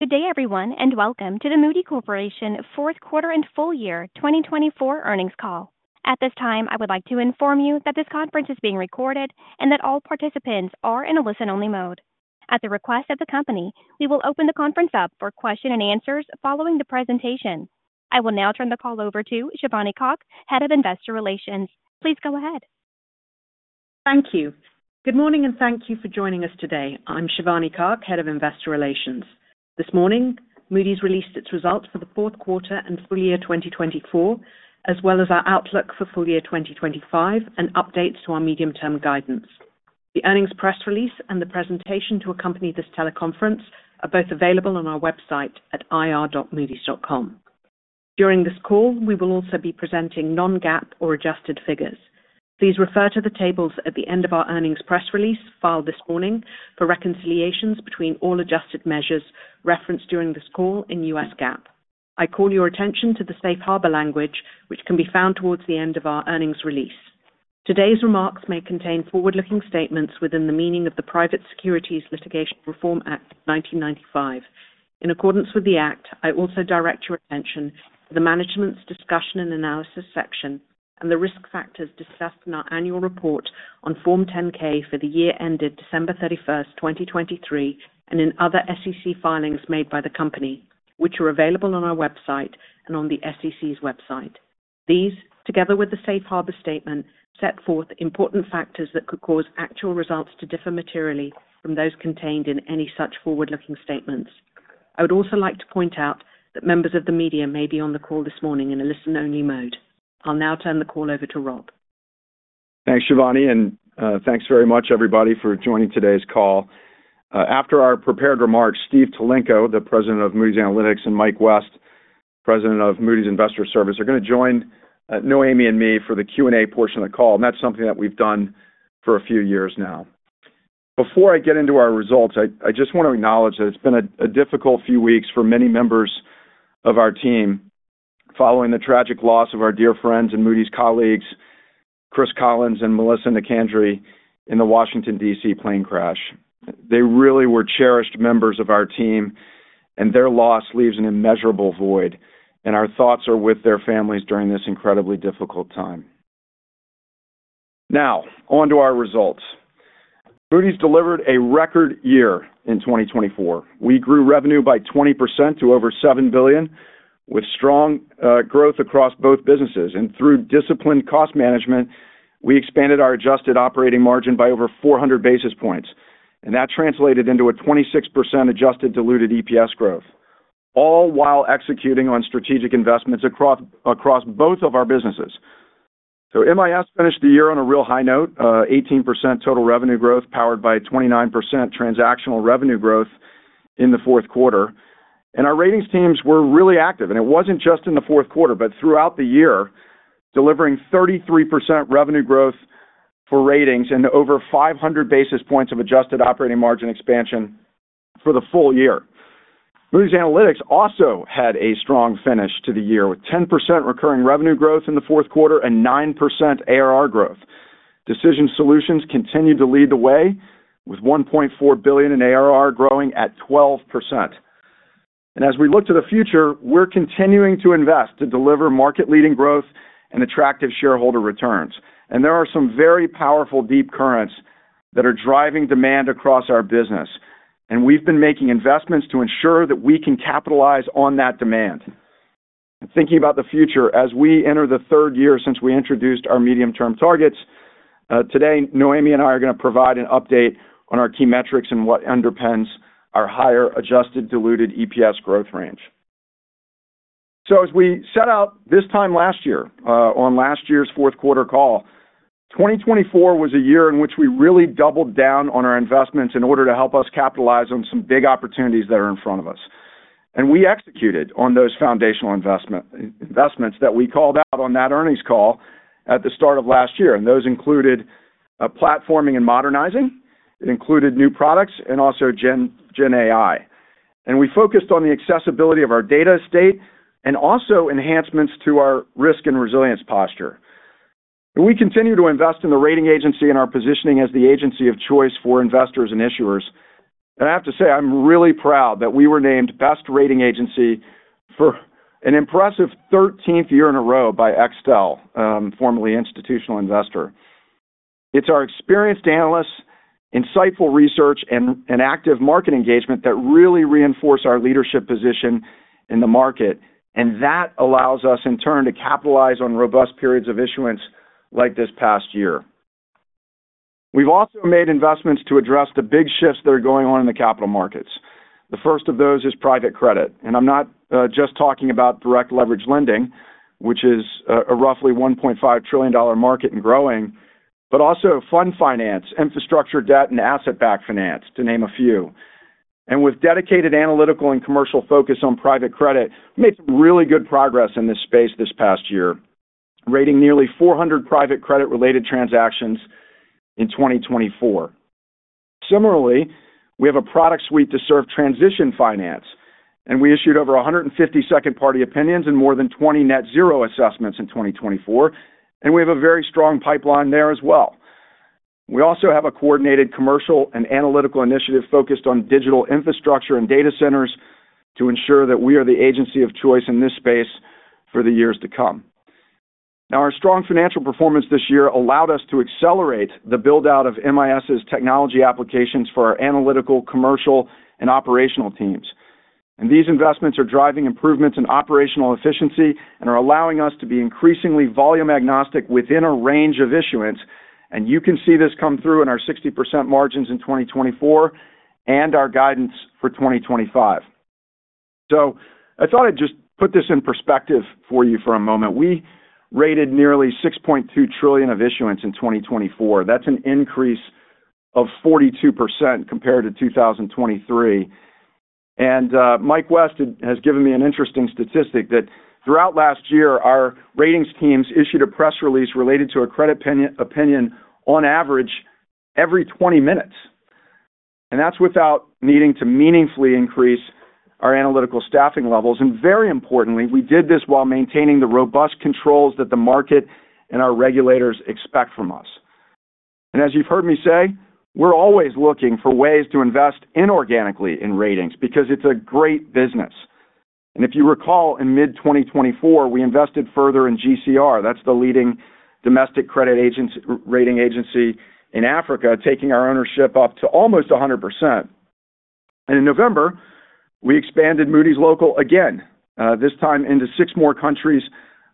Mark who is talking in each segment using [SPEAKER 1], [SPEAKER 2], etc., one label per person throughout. [SPEAKER 1] Good day, everyone, and welcome to the Moody's Corporation fourth quarter and full year 2024 earnings call. At this time, I would like to inform you that this conference is being recorded and that all participants are in a listen-only mode. At the request of the company, we will open the conference up for questions and answers following the presentation. I will now turn the call over to Shivani Kak, Head of Investor Relations. Please go ahead.
[SPEAKER 2] Thank you. Good morning, and thank you for joining us today. I'm Shivani Kak, Head of Investor Relations. This morning, Moody's released its results for the fourth quarter and full year 2024, as well as our outlook for full year 2025 and updates to our medium-term guidance. The earnings press release and the presentation to accompany this teleconference are both available on our website at ir.moodys.com. During this call, we will also be presenting non-GAAP or adjusted figures. Please refer to the tables at the end of our earnings press release filed this morning for reconciliations between all adjusted measures referenced during this call in U.S. GAAP. I call your attention to the safe harbor language, which can be found towards the end of our earnings release. Today's remarks may contain forward-looking statements within the meaning of the Private Securities Litigation Reform Act of 1995. In accordance with the Act, I also direct your attention to the Management's Discussion and Analysis section and the Risk Factors discussed in our annual report on Form 10-K for the year ended December 31st, 2023, and in other SEC filings made by the company, which are available on our website and on the SEC's website. These, together with the safe harbor statement, set forth important factors that could cause actual results to differ materially from those contained in any such forward-looking statements. I would also like to point out that members of the media may be on the call this morning in a listen-only mode. I'll now turn the call over to Rob.
[SPEAKER 3] Thanks, Shivani, and thanks very much, everybody, for joining today's call. After our prepared remarks, Steve Tulenko, the President of Moody's Analytics, and Mike West, President of Moody's Investors Service, are going to join Noémie and me for the Q&A portion of the call, and that's something that we've done for a few years now. Before I get into our results, I just want to acknowledge that it's been a difficult few weeks for many members of our team following the tragic loss of our dear friends and Moody's colleagues, Chris Collins and Melissa Nicandri, in the Washington, D.C. plane crash. They really were cherished members of our team, and their loss leaves an immeasurable void, and our thoughts are with their families during this incredibly difficult time. Now, on to our results. Moody's delivered a record year in 2024. We grew revenue by 20% to over $7 billion, with strong growth across both businesses, and through disciplined cost management, we expanded our adjusted operating margin by over 400 basis points, and that translated into a 26% adjusted diluted EPS growth, all while executing on strategic investments across both of our businesses, so MIS finished the year on a real high note, 18% total revenue growth powered by 29% transactional revenue growth in the fourth quarter, and our ratings teams were really active, and it wasn't just in the fourth quarter, but throughout the year, delivering 33% revenue growth for ratings and over 500 basis points of adjusted operating margin expansion for the full year. Moody's Analytics also had a strong finish to the year with 10% recurring revenue growth in the fourth quarter and 9% ARR growth. Decision Solutions continued to lead the way with $1.4 billion in ARR growing at 12%, and as we look to the future, we're continuing to invest to deliver market-leading growth and attractive shareholder returns. And there are some very powerful deep currents that are driving demand across our business, and we've been making investments to ensure that we can capitalize on that demand, and thinking about the future, as we enter the third year since we introduced our medium-term targets, today, Noémie and I are going to provide an update on our key metrics and what underpins our higher adjusted diluted EPS growth range, so as we set out this time last year on last year's fourth quarter call, 2024 was a year in which we really doubled down on our investments in order to help us capitalize on some big opportunities that are in front of us. And we executed on those foundational investments that we called out on that earnings call at the start of last year, and those included platforming and modernizing. It included new products and also GenAI. And we focused on the accessibility of our data estate and also enhancements to our risk and resilience posture. We continue to invest in the rating agency and our positioning as the agency of choice for investors and issuers. And I have to say, I'm really proud that we were named Best Rating Agency for an impressive 13th year in a row by Extel, formerly Institutional Investor. It's our experienced analysts, insightful research, and active market engagement that really reinforce our leadership position in the market, and that allows us, in turn, to capitalize on robust periods of issuance like this past year. We've also made investments to address the big shifts that are going on in the capital markets. The first of those is private credit, and I'm not just talking about direct leverage lending, which is a roughly $1.5 trillion market and growing, but also fund finance, infrastructure debt, and asset-backed finance, to name a few, and with dedicated analytical and commercial focus on private credit, we made some really good progress in this space this past year, rating nearly 400 private credit-related transactions in 2024. Similarly, we have a product suite to serve transition finance, and we issued over 150 second-party opinions and more than 20 net-zero assessments in 2024, and we have a very strong pipeline there as well. We also have a coordinated commercial and analytical initiative focused on digital infrastructure and data centers to ensure that we are the agency of choice in this space for the years to come. Now, our strong financial performance this year allowed us to accelerate the build-out of MIS's technology applications for our analytical, commercial, and operational teams, and these investments are driving improvements in operational efficiency and are allowing us to be increasingly volume-agnostic within a range of issuance, and you can see this come through in our 60% margins in 2024 and our guidance for 2025, so I thought I'd just put this in perspective for you for a moment. We rated nearly $6.2 trillion of issuance in 2024. That's an increase of 42% compared to 2023. Mike West has given me an interesting statistic that throughout last year, our ratings teams issued a press release related to a credit opinion on average every 20 minutes. And that's without needing to meaningfully increase our analytical staffing levels. And very importantly, we did this while maintaining the robust controls that the market and our regulators expect from us. And as you've heard me say, we're always looking for ways to invest inorganically in ratings because it's a great business. And if you recall, in mid-2024, we invested further in GCR. That's the leading domestic credit rating agency in Africa, taking our ownership up to almost 100%. And in November, we expanded Moody's Local again, this time into six more countries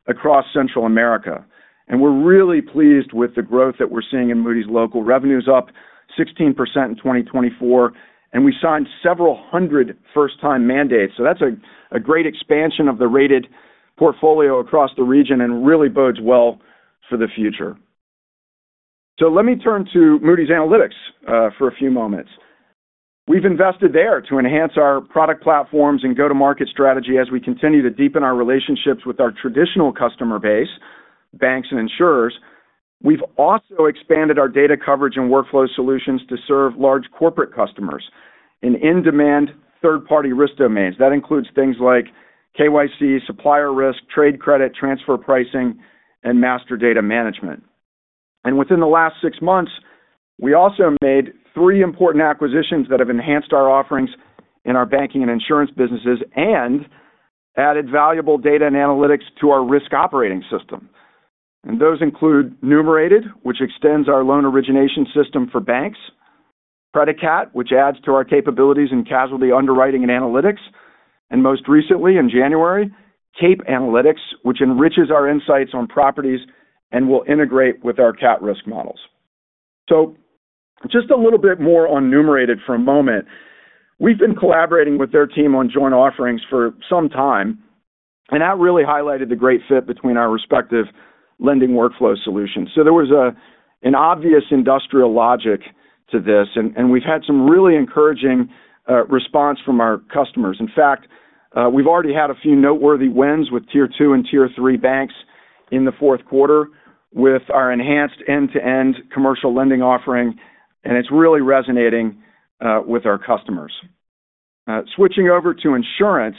[SPEAKER 3] across Central America. And we're really pleased with the growth that we're seeing in Moody's Local. Revenues up 16% in 2024, and we signed several hundred first-time mandates, so that's a great expansion of the rated portfolio across the region and really bodes well for the future, so let me turn to Moody's Analytics for a few moments. We've invested there to enhance our product platforms and go-to-market strategy as we continue to deepen our relationships with our traditional customer base, banks and insurers. We've also expanded our data coverage and workflow solutions to serve large corporate customers in in-demand third-party risk domains. That includes things like KYC, supplier risk, trade credit, transfer pricing, and master data management, and within the last six months, we also made three important acquisitions that have enhanced our offerings in our banking and insurance businesses and added valuable data and analytics to our Risk Operating System. Those include Numerated, which extends our loan origination system for banks; Praedicat, which adds to our capabilities in casualty underwriting and analytics; and most recently, in January, CAPE Analytics, which enriches our insights on properties and will integrate with our cat risk models. Just a little bit more on Numerated for a moment. We've been collaborating with their team on joint offerings for some time, and that really highlighted the great fit between our respective lending workflow solutions. There was an obvious industrial logic to this, and we've had some really encouraging responses from our customers. In fact, we've already had a few noteworthy wins with Tier II and Tier III banks in the fourth quarter with our enhanced end-to-end commercial lending offering, and it's really resonating with our customers. Switching over to insurance,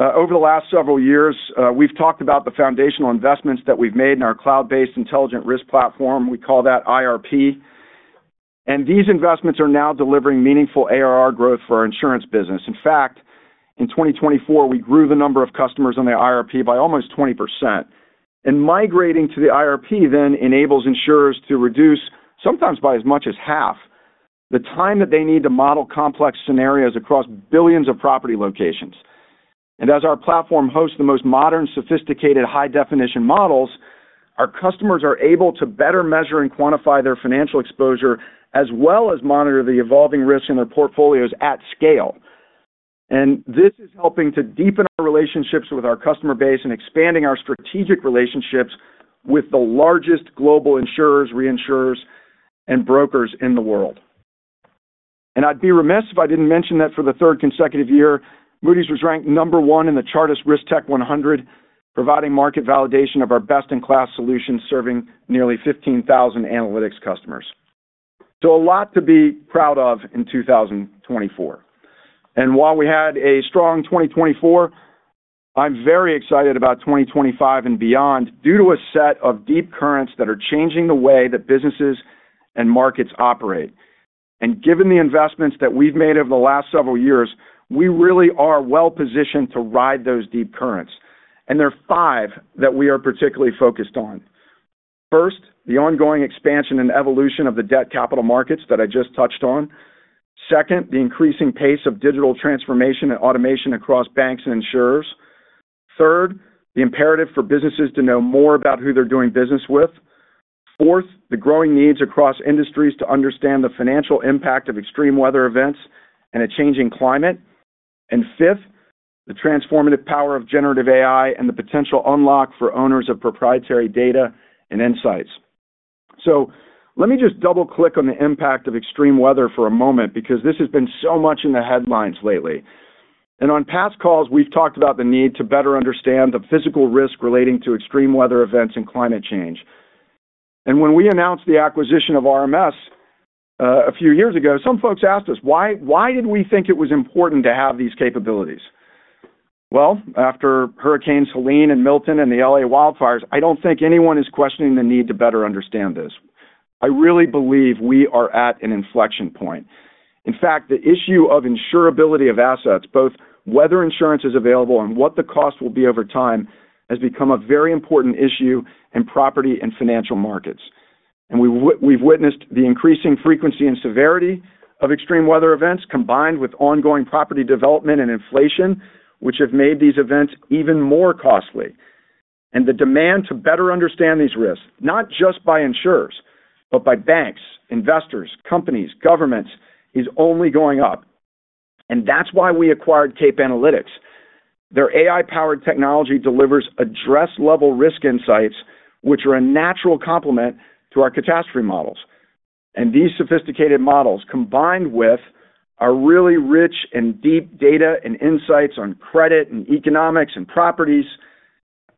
[SPEAKER 3] over the last several years, we've talked about the foundational investments that we've made in our cloud-based Intelligent Risk Platform. We call that IRP, and these investments are now delivering meaningful ARR growth for our insurance business. In fact, in 2024, we grew the number of customers on the IRP by almost 20%. And migrating to the IRP then enables insurers to reduce sometimes by as much as half the time that they need to model complex scenarios across billions of property locations. And as our platform hosts the most modern, sophisticated, high-definition models, our customers are able to better measure and quantify their financial exposure as well as monitor the evolving risk in their portfolios at scale. And this is helping to deepen our relationships with our customer base and expanding our strategic relationships with the largest global insurers, reinsurers, and brokers in the world. I’d be remiss if I didn’t mention that for the third consecutive year, Moody’s was ranked number one in the Chartis RiskTech100, providing market validation of our best-in-class solutions serving nearly 15,000 analytics customers. A lot to be proud of in 2024. While we had a strong 2024, I’m very excited about 2025 and beyond due to a set of deep currents that are changing the way that businesses and markets operate. Given the investments that we’ve made over the last several years, we really are well-positioned to ride those deep currents. There are five that we are particularly focused on. First, the ongoing expansion and evolution of the debt capital markets that I just touched on. Second, the increasing pace of digital transformation and automation across banks and insurers. Third, the imperative for businesses to know more about who they're doing business with. Fourth, the growing needs across industries to understand the financial impact of extreme weather events and a changing climate. And fifth, the transformative power of generative AI and the potential unlock for owners of proprietary data and insights. So let me just double-click on the impact of extreme weather for a moment because this has been so much in the headlines lately. And on past calls, we've talked about the need to better understand the physical risk relating to extreme weather events and climate change. And when we announced the acquisition of RMS a few years ago, some folks asked us, "Why did we think it was important to have these capabilities?" Well, after Hurricanes Helene and Milton and the L.A. wildfires, I don't think anyone is questioning the need to better understand this. I really believe we are at an inflection point. In fact, the issue of insurability of assets, both whether insurance is available and what the cost will be over time, has become a very important issue in property and financial markets. And we've witnessed the increasing frequency and severity of extreme weather events combined with ongoing property development and inflation, which have made these events even more costly. And the demand to better understand these risks, not just by insurers, but by banks, investors, companies, governments, is only going up. And that's why we acquired CAPE Analytics. Their AI-powered technology delivers address-level risk insights, which are a natural complement to our catastrophe models. And these sophisticated models, combined with our really rich and deep data and insights on credit and economics and properties,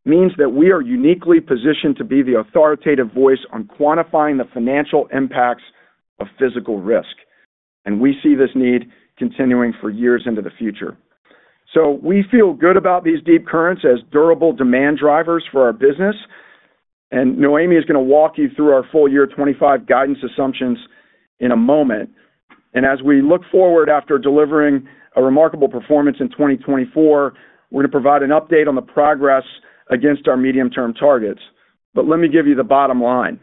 [SPEAKER 3] means that we are uniquely positioned to be the authoritative voice on quantifying the financial impacts of physical risk. And we see this need continuing for years into the future. So we feel good about these deep currents as durable demand drivers for our business. And Noémie is going to walk you through our full year 2025 guidance assumptions in a moment. And as we look forward after delivering a remarkable performance in 2024, we're going to provide an update on the progress against our medium-term targets. But let me give you the bottom line.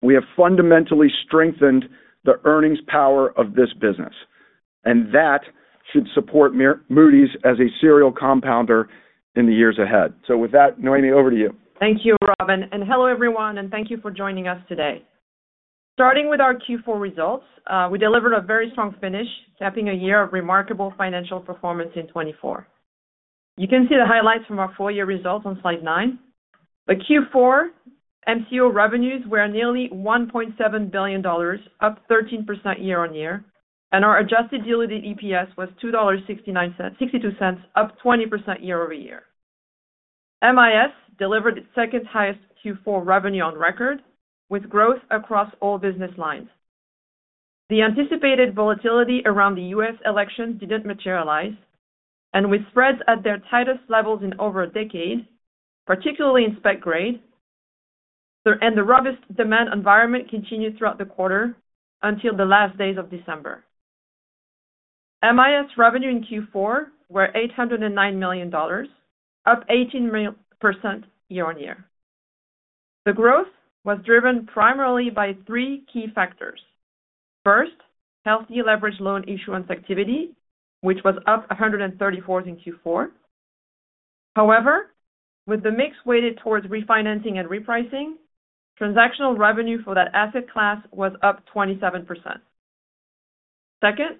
[SPEAKER 3] We have fundamentally strengthened the earnings power of this business, and that should support Moody's as a serial compounder in the years ahead. So with that, Noémie, over to you. Thank you, Rob.
[SPEAKER 4] Hello, everyone, and thank you for joining us today. Starting with our Q4 results, we delivered a very strong finish, capping a year of remarkable financial performance in 2024. You can see the highlights from our Q4 results on slide nine. The Q4 MCO revenues were nearly $1.7 billion, up 13% year-on-year, and our adjusted diluted EPS was $2.62, up 20% year-over-year. MIS delivered its second-highest Q4 revenue on record, with growth across all business lines. The anticipated volatility around the U.S. election didn't materialize, and with spreads at their tightest levels in over a decade, particularly in spec grade, and the robust demand environment continued throughout the quarter until the last days of December. MIS revenue in Q4 were $809 million, up 18% year-on-year. The growth was driven primarily by three key factors. First, healthy leveraged loan issuance activity, which was up 134% in Q4. However, with the mix weighted towards refinancing and repricing, transactional revenue for that asset class was up 27%. Second,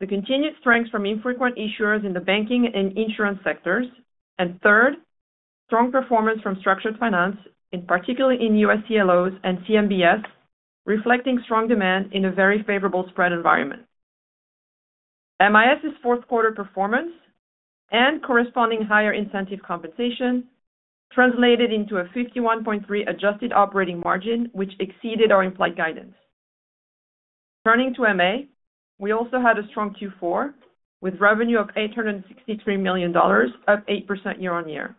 [SPEAKER 4] the continued strength from infrequent issuers in the banking and insurance sectors. And third, strong performance from structured finance, particularly in US CLOs and CMBS, reflecting strong demand in a very favorable spread environment. MIS's fourth-quarter performance and corresponding higher incentive compensation translated into a 51.3 adjusted operating margin, which exceeded our implied guidance. Turning to MA, we also had a strong Q4 with revenue of $863 million, up 8% year-on-year.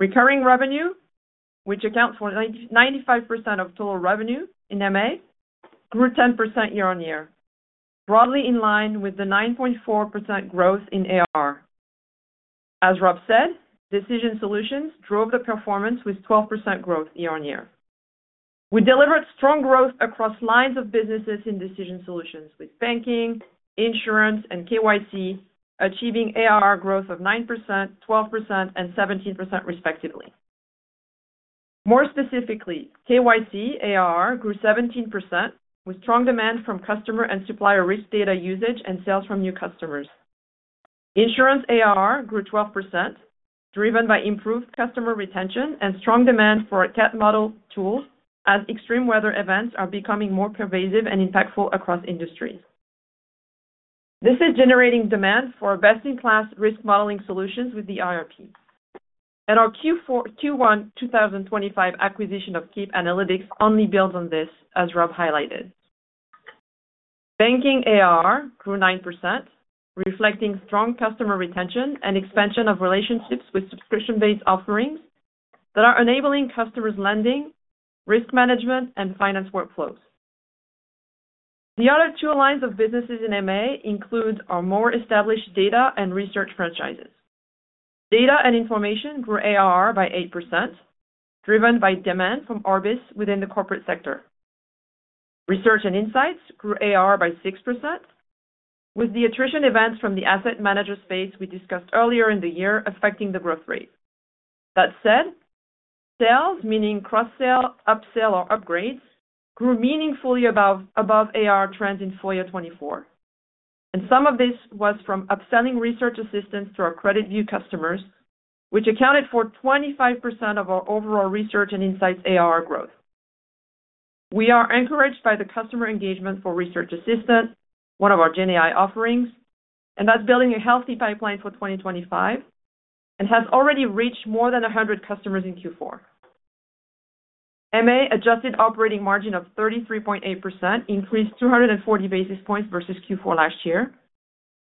[SPEAKER 4] Recurring revenue, which accounts for 95% of total revenue in MA, grew 10% year-on-year, broadly in line with the 9.4% growth in ARR. As Rob said, Decision Solutions drove the performance with 12% growth year-on-year. We delivered strong growth across lines of businesses in Decision Solutions, with banking, insurance, and KYC achieving ARR growth of 9%, 12%, and 17%, respectively. More specifically, KYC ARR grew 17% with strong demand from customer and supplier risk data usage and sales from new customers. Insurance ARR grew 12%, driven by improved customer retention and strong demand for a CAT model tool as extreme weather events are becoming more pervasive and impactful across industries. This is generating demand for best-in-class risk modeling solutions with the IRP, and our Q1 2025 acquisition of CAPE Analytics only builds on this, as Rob highlighted. Banking ARR grew 9%, reflecting strong customer retention and expansion of relationships with subscription-based offerings that are enabling customers' lending, risk management, and finance workflows. The other two lines of businesses in MA include our more established data and research franchises. Data and Information grew ARR by 8%, driven by demand from Orbis within the corporate sector. Research and Insights grew ARR by 6%, with the attrition events from the asset manager space we discussed earlier in the year affecting the growth rate. That said, sales, meaning cross-sale, upsale, or upgrades, grew meaningfully above ARR trends in FY 2024. And some of this was from upselling Research Assistant to our CreditView customers, which accounted for 25% of our overall Research and Insights ARR growth. We are encouraged by the customer engagement for Research Assistant, one of our GenAI offerings, and that's building a healthy pipeline for 2025 and has already reached more than 100 customers in Q4. MA adjusted operating margin of 33.8% increased 240 basis points versus Q4 last year,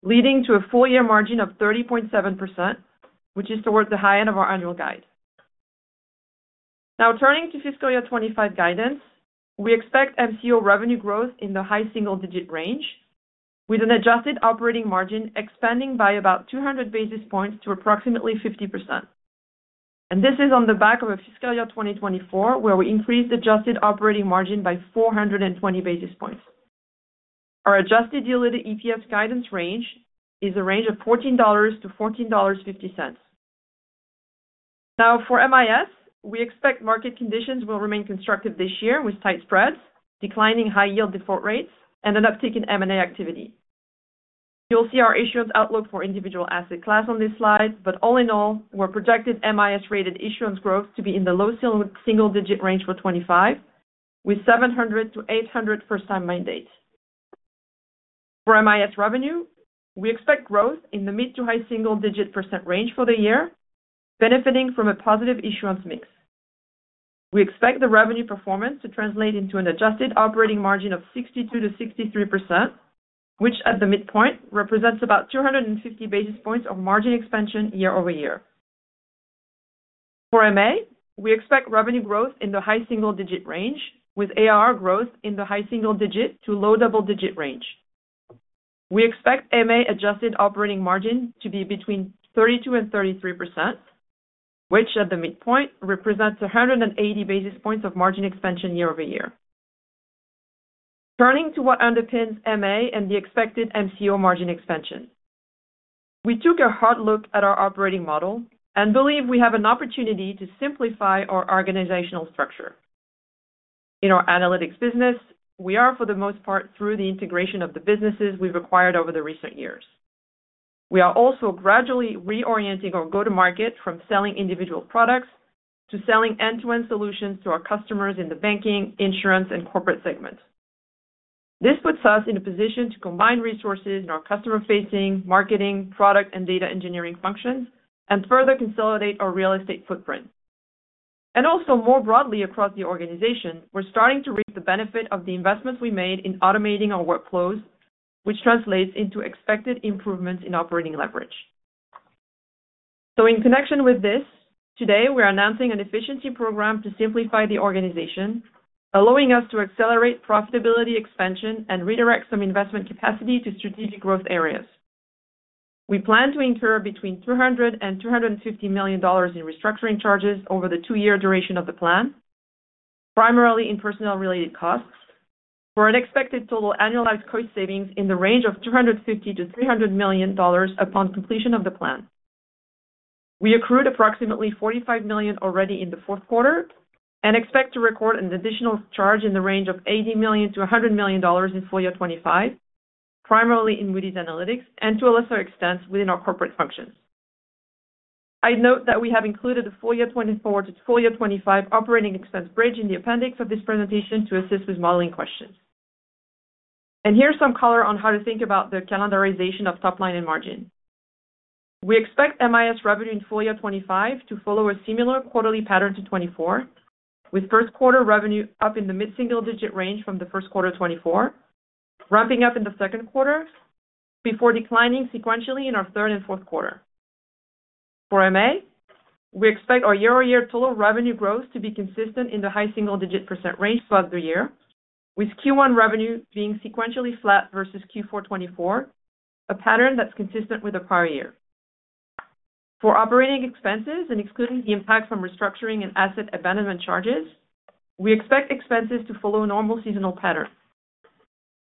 [SPEAKER 4] leading to a full-year margin of 30.7%, which is towards the high end of our annual guide. Now, turning to fiscal year 2025 guidance, we expect MCO revenue growth in the high single-digit range, with an adjusted operating margin expanding by about 200 basis points to approximately 50%, and this is on the back of a fiscal year 2024 where we increased adjusted operating margin by 420 basis points. Our adjusted diluted EPS guidance range is a range of $14-$14.50. Now, for MIS, we expect market conditions will remain constructive this year with tight spreads, declining high-yield default rates, and an uptick in M&A activity. You'll see our issuance outlook for individual asset class on this slide, but all in all, we're projecting MIS-rated issuance growth to be in the low single-digit range for 2025, with 700-800 first-time mandates. For MIS revenue, we expect growth in the mid to high single-digit % range for the year, benefiting from a positive issuance mix. We expect the revenue performance to translate into an adjusted operating margin of 62%-63%, which at the midpoint represents about 250 basis points of margin expansion year-over-year. For MA, we expect revenue growth in the high single-digit range, with ARR growth in the high single-digit to low double-digit range. We expect MA adjusted operating margin to be between 32% and 33%, which at the midpoint represents 180 basis points of margin expansion year-over-year. Turning to what underpins MA and the expected MCO margin expansion, we took a hard look at our operating model and believe we have an opportunity to simplify our organizational structure. In our analytics business, we are, for the most part, through the integration of the businesses we've acquired over the recent years. We are also gradually reorienting our go-to-market from selling individual products to selling end-to-end solutions to our customers in the banking, insurance, and corporate segment. This puts us in a position to combine resources in our customer-facing marketing, product, and data engineering functions and further consolidate our real estate footprint, and also, more broadly across the organization, we're starting to reap the benefit of the investments we made in automating our workflows, which translates into expected improvements in operating leverage, so, in connection with this, today, we're announcing an efficiency program to simplify the organization, allowing us to accelerate profitability expansion and redirect some investment capacity to strategic growth areas. We plan to incur between $200 and $250 million in restructuring charges over the two-year duration of the plan, primarily in personnel-related costs, for an expected total annualized cost savings in the range of $250 to $300 million upon completion of the plan. We accrued approximately $45 million already in the fourth quarter and expect to record an additional charge in the range of $80 million to $100 million in FY 2025, primarily in Moody's Analytics and to a lesser extent within our corporate functions. I'd note that we have included the FY 2024 to FY 2025 operating expense bridge in the appendix of this presentation to assist with modeling questions. Here's some color on how to think about the calendarization of top line and margin. We expect MIS revenue in FY 2025 to follow a similar quarterly pattern to 2024, with first-quarter revenue up in the mid-single-digit range from the first quarter 2024, ramping up in the second quarter before declining sequentially in our third and fourth quarter. For MA, we expect our year-on-year total revenue growth to be consistent in the high single-digit percent range throughout the year, with Q1 revenue being sequentially flat versus Q4 2024, a pattern that's consistent with the prior year. For operating expenses and excluding the impact from restructuring and asset abandonment charges, we expect expenses to follow a normal seasonal pattern.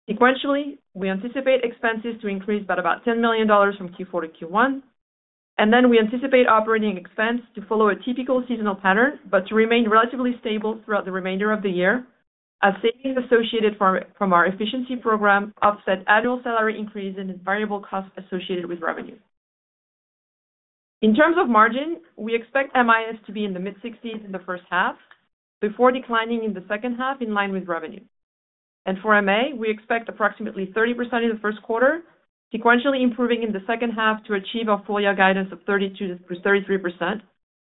[SPEAKER 4] Sequentially, we anticipate expenses to increase by about $10 million from Q4 to Q1, and then we anticipate operating expense to follow a typical seasonal pattern, but to remain relatively stable throughout the remainder of the year, as savings associated from our efficiency program offset annual salary increase and variable costs associated with revenue. In terms of margin, we expect MIS to be in the mid-60s in the first half before declining in the second half in line with revenue. And for MA, we expect approximately 30% in the first quarter, sequentially improving in the second half to achieve our full-year guidance of 32%-33%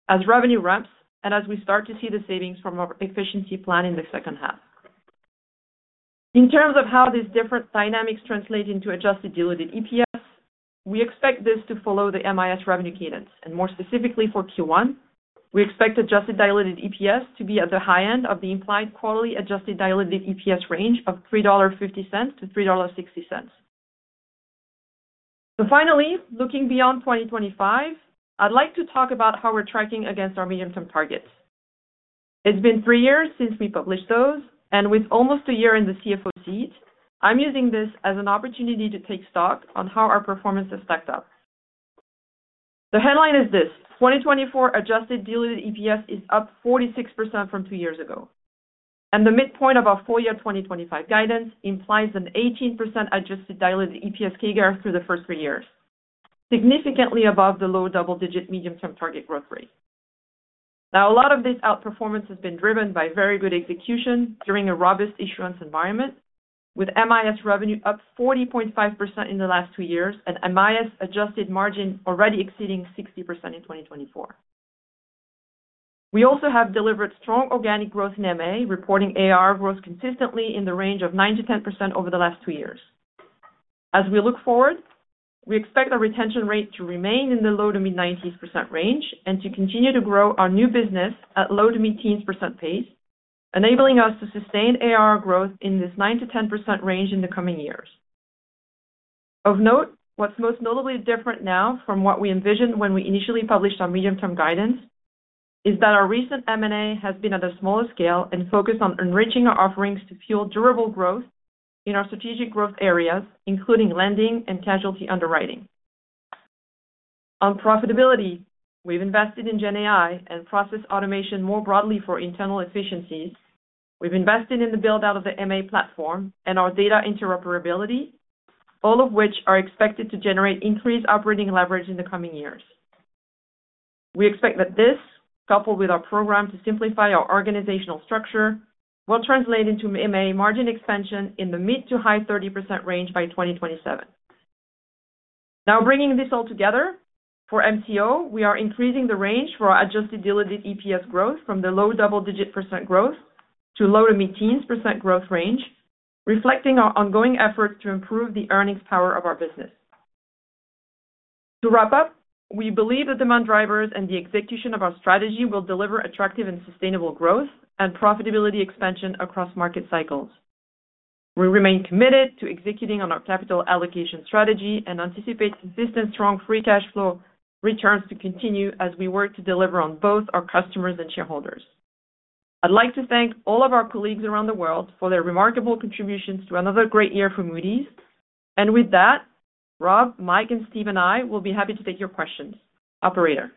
[SPEAKER 4] as revenue ramps and as we start to see the savings from our efficiency plan in the second half. In terms of how these different dynamics translate into adjusted diluted EPS, we expect this to follow the MIS revenue cadence. More specifically for Q1, we expect adjusted diluted EPS to be at the high end of the implied quarterly adjusted diluted EPS range of $3.50-$3.60. Finally, looking beyond 2025, I'd like to talk about how we're tracking against our medium-term targets. It's been three years since we published those, and with almost a year in the CFO seat, I'm using this as an opportunity to take stock on how our performance has stacked up. The headline is this: 2024 adjusted diluted EPS is up 46% from two years ago. The midpoint of our FY 2025 guidance implies an 18% adjusted diluted EPS CAGR through the first three years, significantly above the low double-digit medium-term target growth rate. Now, a lot of this outperformance has been driven by very good execution during a robust issuance environment, with MIS revenue up 40.5% in the last two years and MIS adjusted margin already exceeding 60% in 2024. We also have delivered strong organic growth in MA, reporting AR growth consistently in the range of 9%-10% over the last two years. As we look forward, we expect our retention rate to remain in the low to mid-90s% range and to continue to grow our new business at low to mid-teens% pace, enabling us to sustain AR growth in this 9%-10% range in the coming years. Of note, what's most notably different now from what we envisioned when we initially published our medium-term guidance is that our recent M&A has been at a smaller scale and focused on enriching our offerings to fuel durable growth in our strategic growth areas, including lending and casualty underwriting. On profitability, we've invested in GenAI and process automation more broadly for internal efficiencies. We've invested in the build-out of the MA platform and our data interoperability, all of which are expected to generate increased operating leverage in the coming years. We expect that this, coupled with our program to simplify our organizational structure, will translate into MA margin expansion in the mid to high 30% range by 2027. Now, bringing this all together, for MCO, we are increasing the range for our adjusted diluted EPS growth from the low double-digit percent growth to low to mid-teens percent growth range, reflecting our ongoing efforts to improve the earnings power of our business. To wrap up, we believe the demand drivers and the execution of our strategy will deliver attractive and sustainable growth and profitability expansion across market cycles. We remain committed to executing on our capital allocation strategy and anticipate consistent, strong free cash flow returns to continue as we work to deliver on both our customers and shareholders. I'd like to thank all of our colleagues around the world for their remarkable contributions to another great year for Moody's. And with that, Rob, Mike, and Steve and I will be happy to take your questions. Operator.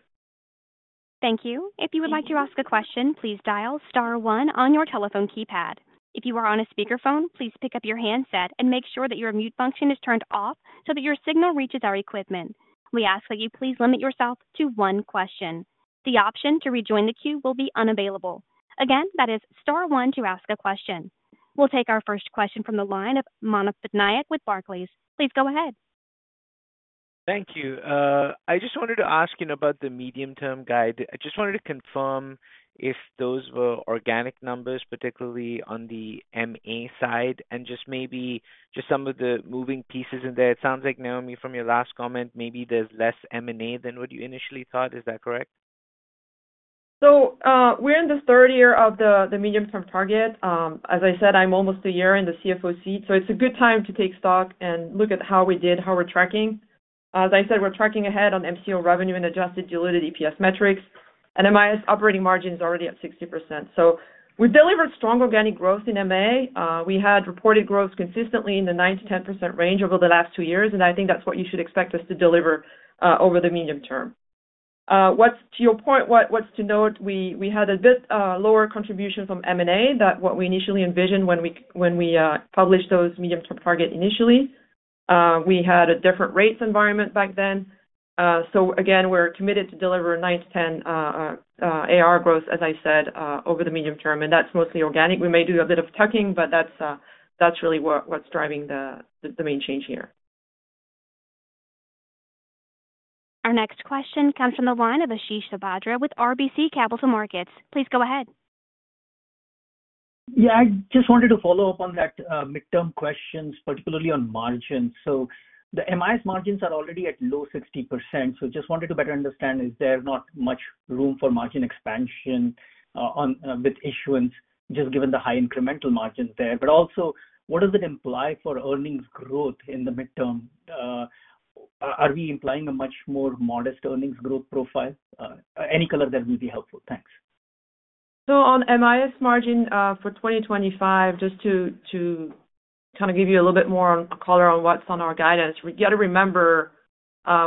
[SPEAKER 1] Thank you. If you would like to ask a question, please dial star one on your telephone keypad. If you are on a speakerphone, please pick up your handset and make sure that your mute function is turned off so that your signal reaches our equipment. We ask that you please limit yourself to one question. The option to rejoin the queue will be unavailable. Again, that is star one to ask a question. We'll take our first question from the line of Manav Patnaik with Barclays. Please go ahead.
[SPEAKER 5] Thank you. I just wanted to ask you about the medium-term guide. I just wanted to confirm if those were organic numbers, particularly on the MA side, and just maybe some of the moving pieces in there. It sounds like, Noémie, from your last comment, maybe there's less M&A than what you initially thought. Is that correct?
[SPEAKER 4] So we're in the third year of the medium-term target. As I said, I'm almost a year in the CFO seat, so it's a good time to take stock and look at how we did, how we're tracking. As I said, we're tracking ahead on MCO revenue and adjusted diluted EPS metrics, and MIS operating margin is already at 60%. So we've delivered strong organic growth in MA. We had reported growth consistently in the 9%-10% range over the last two years, and I think that's what you should expect us to deliver over the medium term. To your point, what's to note, we had a bit lower contribution from M&A than what we initially envisioned when we published those medium-term target initially. We had a different rates environment back then. So again, we're committed to deliver nine to 10 ARR growth, as I said, over the medium term, and that's mostly organic. We may do a bit of tuck-ins, but that's really what's driving the main change here.
[SPEAKER 1] Our next question comes from the line of Ashish Sabadra with RBC Capital Markets. Please go ahead.
[SPEAKER 6] Yeah, I just wanted to follow up on that midterm question, particularly on margins. So the MIS margins are already at low 60%, so just wanted to better understand, is there not much room for margin expansion with issuance, just given the high incremental margins there? But also, what does it imply for earnings growth in the midterm? Are we implying a much more modest earnings growth profile? Any color that will be helpful. Thanks.
[SPEAKER 4] So on MIS margin for 2025, just to kind of give you a little bit more color on what's on our guidance, we got to remember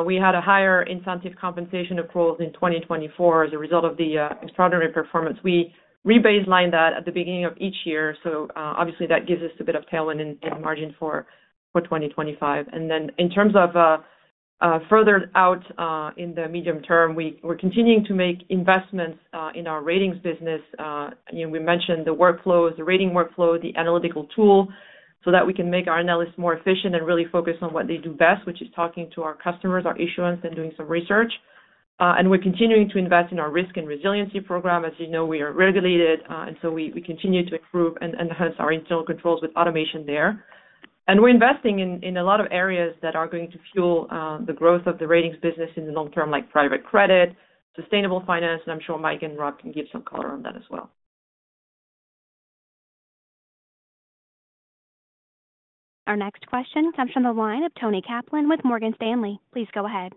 [SPEAKER 4] we had a higher incentive compensation across in 2024 as a result of the extraordinary performance. We rebaseline that at the beginning of each year. So obviously, that gives us a bit of tailwind in margin for 2025. And then in terms of further out in the medium term, we're continuing to make investments in our ratings business. We mentioned the workflows, the rating workflow, the analytical tool, so that we can make our analysts more efficient and really focus on what they do best, which is talking to our customers, our issuance, and doing some research. And we're continuing to invest in our risk and resiliency program. As you know, we are regulated, and so we continue to improve and enhance our internal controls with automation there. And we're investing in a lot of areas that are going to fuel the growth of the ratings business in the long term, like private credit, sustainable finance, and I'm sure Mike and Rob can give some color on that as well.
[SPEAKER 1] Our next question comes from the line of Toni Kaplan with Morgan Stanley. Please go ahead.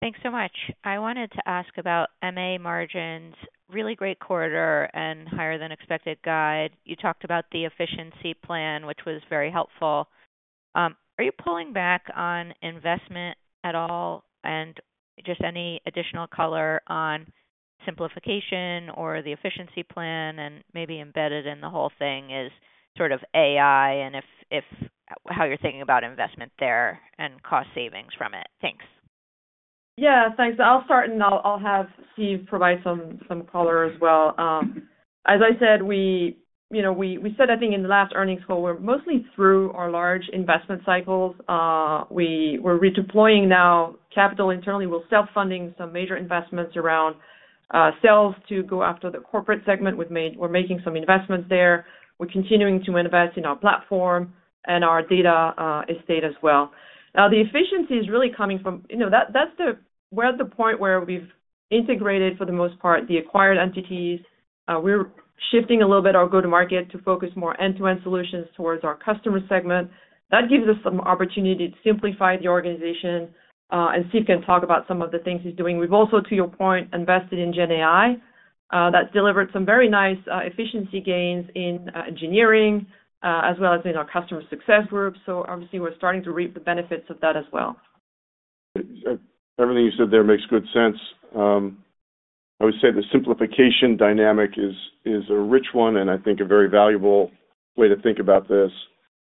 [SPEAKER 7] Thanks so much. I wanted to ask about MA margins, really great quarter and higher than expected guide. You talked about the efficiency plan, which was very helpful. Are you pulling back on investment at all and just any additional color on simplification or the efficiency plan and maybe embedded in the whole thing is sort of AI and how you're thinking about investment there and cost savings from it? Thanks.
[SPEAKER 4] Yeah, thanks. I'll start and I'll have Steve provide some color as well. As I said, we said, I think, in the last earnings call, we're mostly through our large investment cycles. We're redeploying now capital internally. We're self-funding some major investments around sales to go after the corporate segment. We're making some investments there. We're continuing to invest in our platform, and our data assets as well. Now, the efficiency is really coming from that's where the point where we've integrated, for the most part, the acquired entities. We're shifting a little bit our go-to-market to focus more end-to-end solutions towards our customer segment. That gives us some opportunity to simplify the organization, and Steve can talk about some of the things he's doing. We've also, to your point, invested in GenAI. That's delivered some very nice efficiency gains in engineering as well as in our customer success group. So obviously, we're starting to reap the benefits of that as well.
[SPEAKER 8] Everything you said there makes good sense. I would say the simplification dynamic is a rich one and I think a very valuable way to think about this.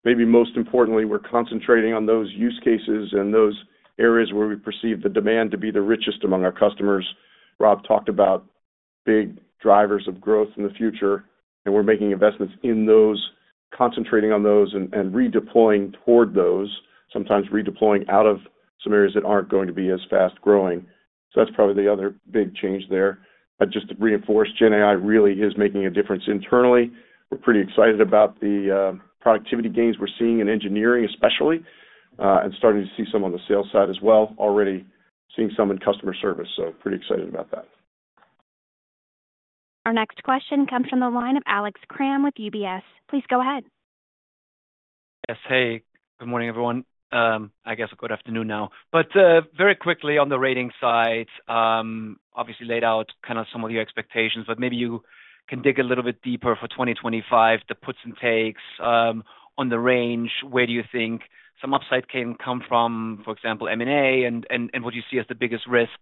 [SPEAKER 8] Maybe most importantly, we're concentrating on those use cases and those areas where we perceive the demand to be the richest among our customers. Rob talked about big drivers of growth in the future, and we're making investments in those, concentrating on those and redeploying toward those, sometimes redeploying out of some areas that aren't going to be as fast growing. So that's probably the other big change there. Just to reinforce, GenAI really is making a difference internally. We're pretty excited about the productivity gains we're seeing in engineering, especially, and starting to see some on the sales side as well, already seeing some in customer service, so pretty excited about that.
[SPEAKER 1] Our next question comes from the line of Alex Kramm with UBS. Please go ahead.
[SPEAKER 9] Yes, hey. Good morning, everyone. I guess good afternoon now, but very quickly on the rating side, obviously laid out kind of some of your expectations, but maybe you can dig a little bit deeper for 2025, the puts and takes on the range. Where do you think some upside can come from, for example, M&A, and what do you see as the biggest risk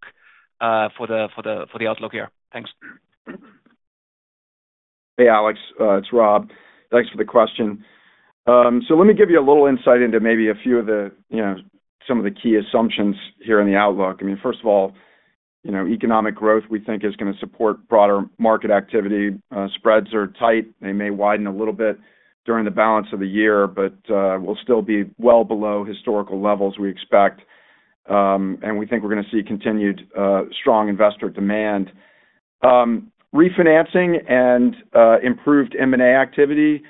[SPEAKER 9] for the outlook here? Thanks.
[SPEAKER 3] Hey, Alex. It's Rob. Thanks for the question, so let me give you a little insight into maybe a few of the key assumptions here in the outlook. I mean, first of all, economic growth we think is going to support broader market activity. Spreads are tight. They may widen a little bit during the balance of the year, but we'll still be well below historical levels we expect. And we think we're going to see continued strong investor demand. Refinancing and improved M&A activity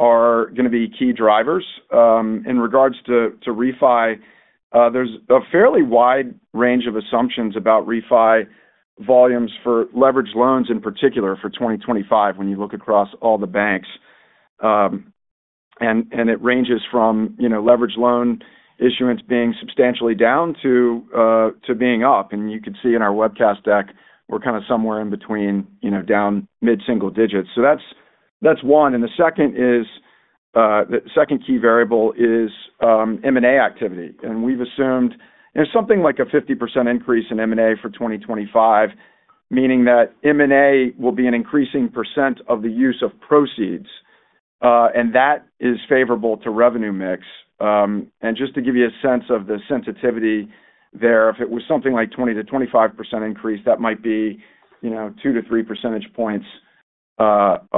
[SPEAKER 3] are going to be key drivers. In regards to refi, there's a fairly wide range of assumptions about refi volumes for leveraged loans in particular for 2025 when you look across all the banks. And it ranges from leveraged loan issuance being substantially down to being up. And you can see in our webcast deck, we're kind of somewhere in between down mid-single digits. So that's one. And the second key variable is M&A activity. We've assumed there's something like a 50% increase in M&A for 2025, meaning that M&A will be an increasing percent of the use of proceeds, and that is favorable to revenue mix. Just to give you a sense of the sensitivity there, if it was something like 20%-25% increase, that might be two to three percentage points of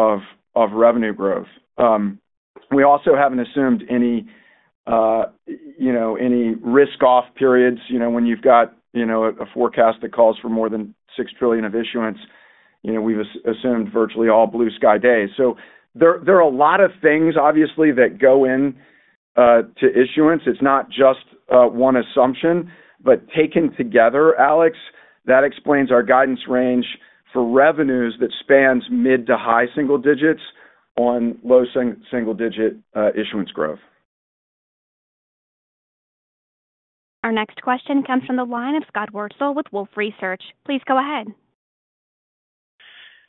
[SPEAKER 3] revenue growth. We also haven't assumed any risk-off periods when you've got a forecast that calls for more than six trillion of issuance. We've assumed virtually all blue sky days. So there are a lot of things, obviously, that go into issuance. It's not just one assumption, but taken together, Alex, that explains our guidance range for revenues that spans mid- to high-single digits on low single-digit issuance growth.
[SPEAKER 1] Our next question comes from the line of Scott Wurtzel with Wolfe Research. Please go ahead.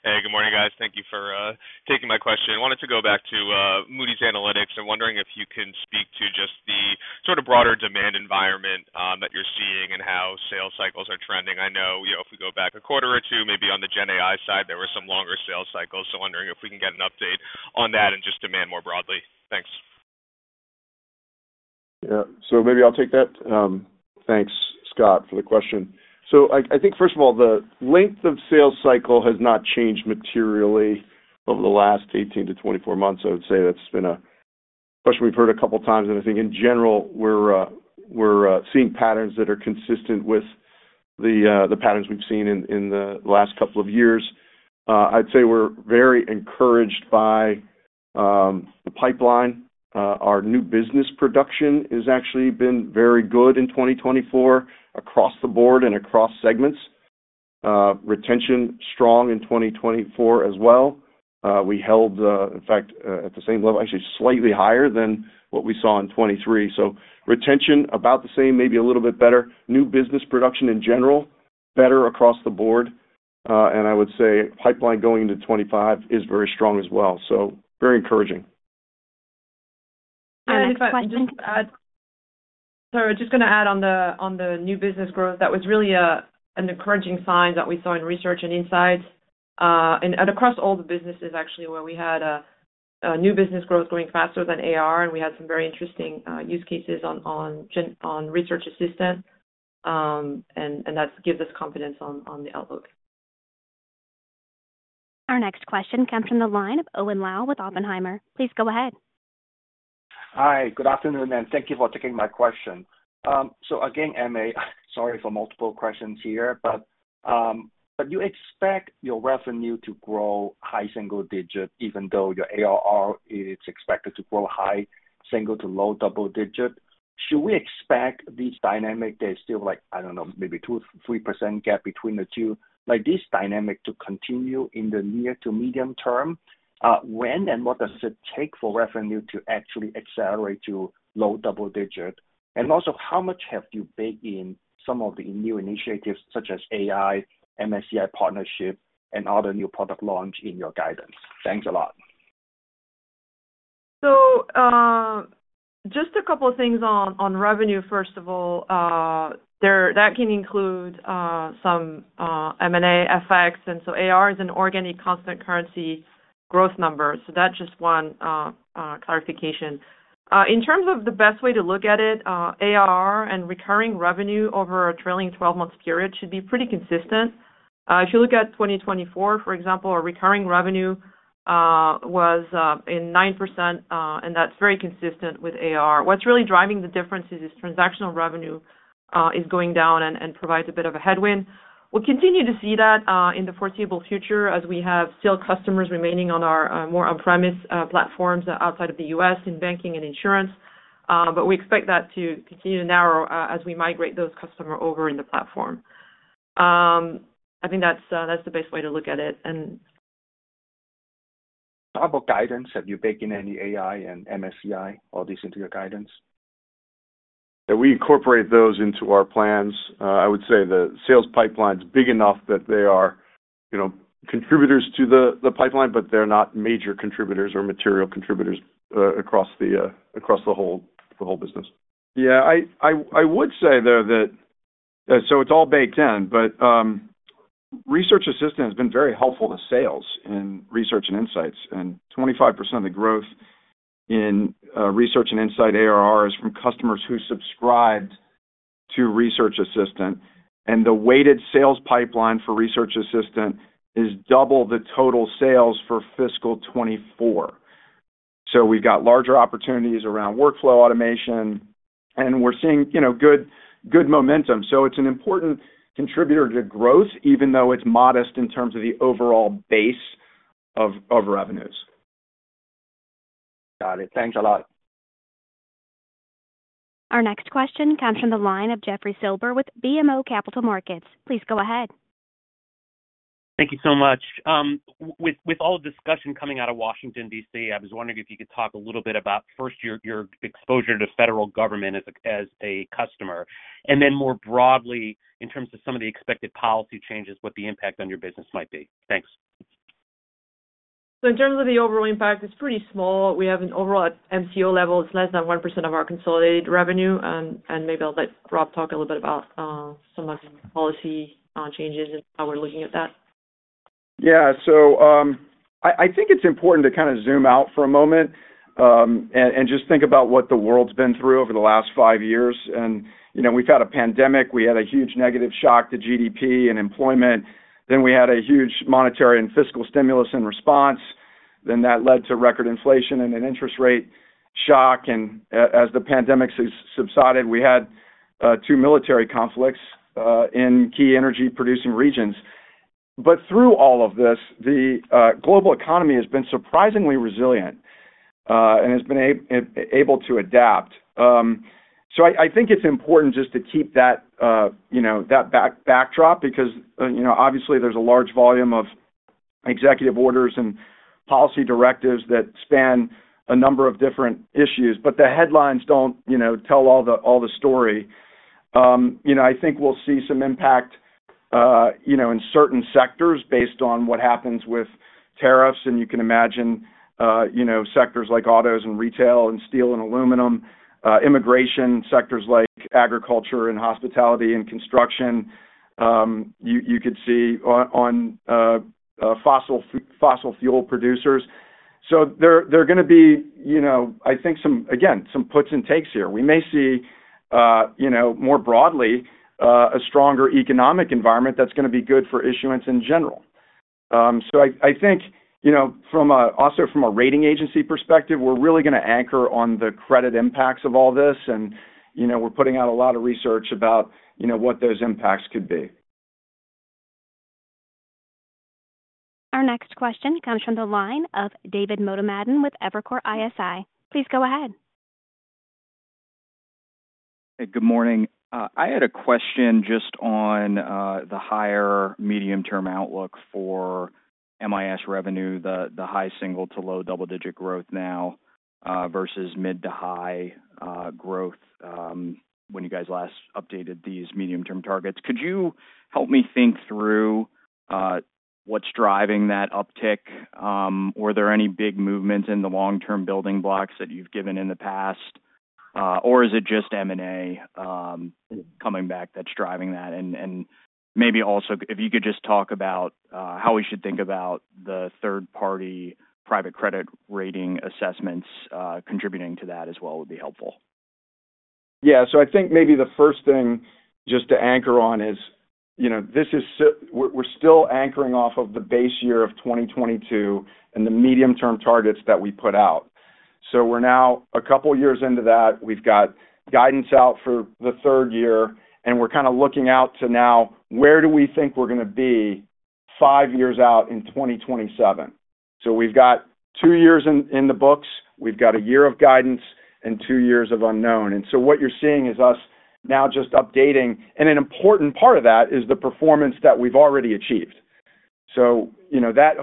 [SPEAKER 10] Hey, good morning, guys. Thank you for taking my question. I wanted to go back to Moody's Analytics and wondering if you can speak to just the sort of broader demand environment that you're seeing and how sales cycles are trending. I know if we go back a quarter or two, maybe on the GenAI side, there were some longer sales cycles, so wondering if we can get an update on that and just demand more broadly. Thanks.
[SPEAKER 3] Yeah, so maybe I'll take that. Thanks, Scott, for the question, so I think, first of all, the length of sales cycle has not changed materially over the last 18 to 24 months. I would say that's been a question we've heard a couple of times, and I think, in general, we're seeing patterns that are consistent with the patterns we've seen in the last couple of years. I'd say we're very encouraged by the pipeline. Our new business production has actually been very good in 2024 across the board and across segments. Retention strong in 2024 as well. We held, in fact, at the same level, actually slightly higher than what we saw in 2023, so retention about the same, maybe a little bit better. New business production in general, better across the board, and I would say pipeline going into 2025 is very strong as well, so very encouraging,
[SPEAKER 4] I'm just going to add on the new business growth. That was really an encouraging sign that we saw in Research and Insights, and across all the businesses, actually, where we had new business growth going faster than ARR, and we had some very interesting use cases on Research Assistant, and that gives us confidence on the outlook.
[SPEAKER 1] Our next question comes from the line of Owen Lau with Oppenheimer. Please go ahead.
[SPEAKER 11] Hi. Good afternoon, and thank you for taking my question. So again, Noémie, sorry for multiple questions here, but do you expect your revenue to grow high single digit even though your ARR is expected to grow high single to low double digit? Should we expect this dynamic that is still like, I don't know, maybe 2% to 3% gap between the two, this dynamic to continue in the near to medium term? When and what does it take for revenue to actually accelerate to low double digit? And also, how much have you baked in some of the new initiatives such as AI, MSCI partnership, and other new product launch in your guidance? Thanks a lot.
[SPEAKER 4] So just a couple of things on revenue, first of all. That can include some M&A effects. ARR is an organic constant currency growth number. So that's just one clarification. In terms of the best way to look at it, ARR and recurring revenue over a trailing 12-month period should be pretty consistent. If you look at 2024, for example, our recurring revenue was in 9%, and that's very consistent with ARR. What's really driving the differences is transactional revenue is going down and provides a bit of a headwind. We'll continue to see that in the foreseeable future as we have still customers remaining on our more on-premise platforms outside of the U.S. in banking and insurance. But we expect that to continue to narrow as we migrate those customers over in the platform. I think that's the best way to look at it.
[SPEAKER 11] And how about guidance? Have you baked in any AI and MSCI, all these into your guidance?
[SPEAKER 3] We incorporate those into our plans. I would say the sales pipeline is big enough that they are contributors to the pipeline, but they're not major contributors or material contributors across the whole business. Yeah. I would say, though, that so it's all baked in, but Research Assistant has been very helpful to sales in Research and Insights. And 25% of the growth in Research and Insights ARR is from customers who subscribed to Research Assistant. And the weighted sales pipeline for Research Assistant is double the total sales for fiscal 2024. So we've got larger opportunities around workflow automation, and we're seeing good momentum. So it's an important contributor to growth, even though it's modest in terms of the overall base of revenues.
[SPEAKER 11] Got it. Thanks a lot.
[SPEAKER 1] Our next question comes from the line of Jeffrey Silber with BMO Capital Markets. Please go ahead.
[SPEAKER 12] Thank you so much. With all the discussion coming out of Washington, D.C., I was wondering if you could talk a little bit about, first, your exposure to the federal government as a customer, and then more broadly, in terms of some of the expected policy changes, what the impact on your business might be. Thanks.
[SPEAKER 4] So in terms of the overall impact, it's pretty small. We have an overall MCO level. It's less than 1% of our consolidated revenue. And maybe I'll let Rob talk a little bit about some of the policy changes and how we're looking at that.
[SPEAKER 3] Yeah. So I think it's important to kind of zoom out for a moment and just think about what the world's been through over the last five years. And we've had a pandemic. We had a huge negative shock to GDP and employment. Then we had a huge monetary and fiscal stimulus and response. Then that led to record inflation and an interest rate shock. And as the pandemic subsided, we had two military conflicts in key energy-producing regions. But through all of this, the global economy has been surprisingly resilient and has been able to adapt. So I think it's important just to keep that backdrop because, obviously, there's a large volume of executive orders and policy directives that span a number of different issues, but the headlines don't tell all the story. I think we'll see some impact in certain sectors based on what happens with tariffs. And you can imagine sectors like autos and retail and steel and aluminum, immigration, sectors like agriculture and hospitality and construction. You could see on fossil fuel producers. So there are going to be, I think, again, some puts and takes here. We may see, more broadly, a stronger economic environment that's going to be good for issuance in general. So I think also from a rating agency perspective, we're really going to anchor on the credit impacts of all this. And we're putting out a lot of research about what those impacts could be.
[SPEAKER 1] Our next question comes from the line of David Motemaden with Evercore ISI. Please go ahead.
[SPEAKER 13] Hey, good morning. I had a question just on the higher medium-term outlook for MIS revenue, the high single to low double-digit growth now versus mid to high growth when you guys last updated these medium-term targets. Could you help me think through what's driving that uptick? Were there any big movements in the long-term building blocks that you've given in the past? Or is it just M&A coming back that's driving that? And maybe also, if you could just talk about how we should think about the third-party private credit rating assessments contributing to that as well would be helpful.
[SPEAKER 3] Yeah. So I think maybe the first thing just to anchor on is this is we're still anchoring off of the base year of 2022 and the medium-term targets that we put out. So we're now a couple of years into that. We've got guidance out for the third year. And we're kind of looking out to now, where do we think we're going to be five years out in 2027? So we've got two years in the books. We've got a year of guidance and two years of unknown. And so what you're seeing is us now just updating. And an important part of that is the performance that we've already achieved. So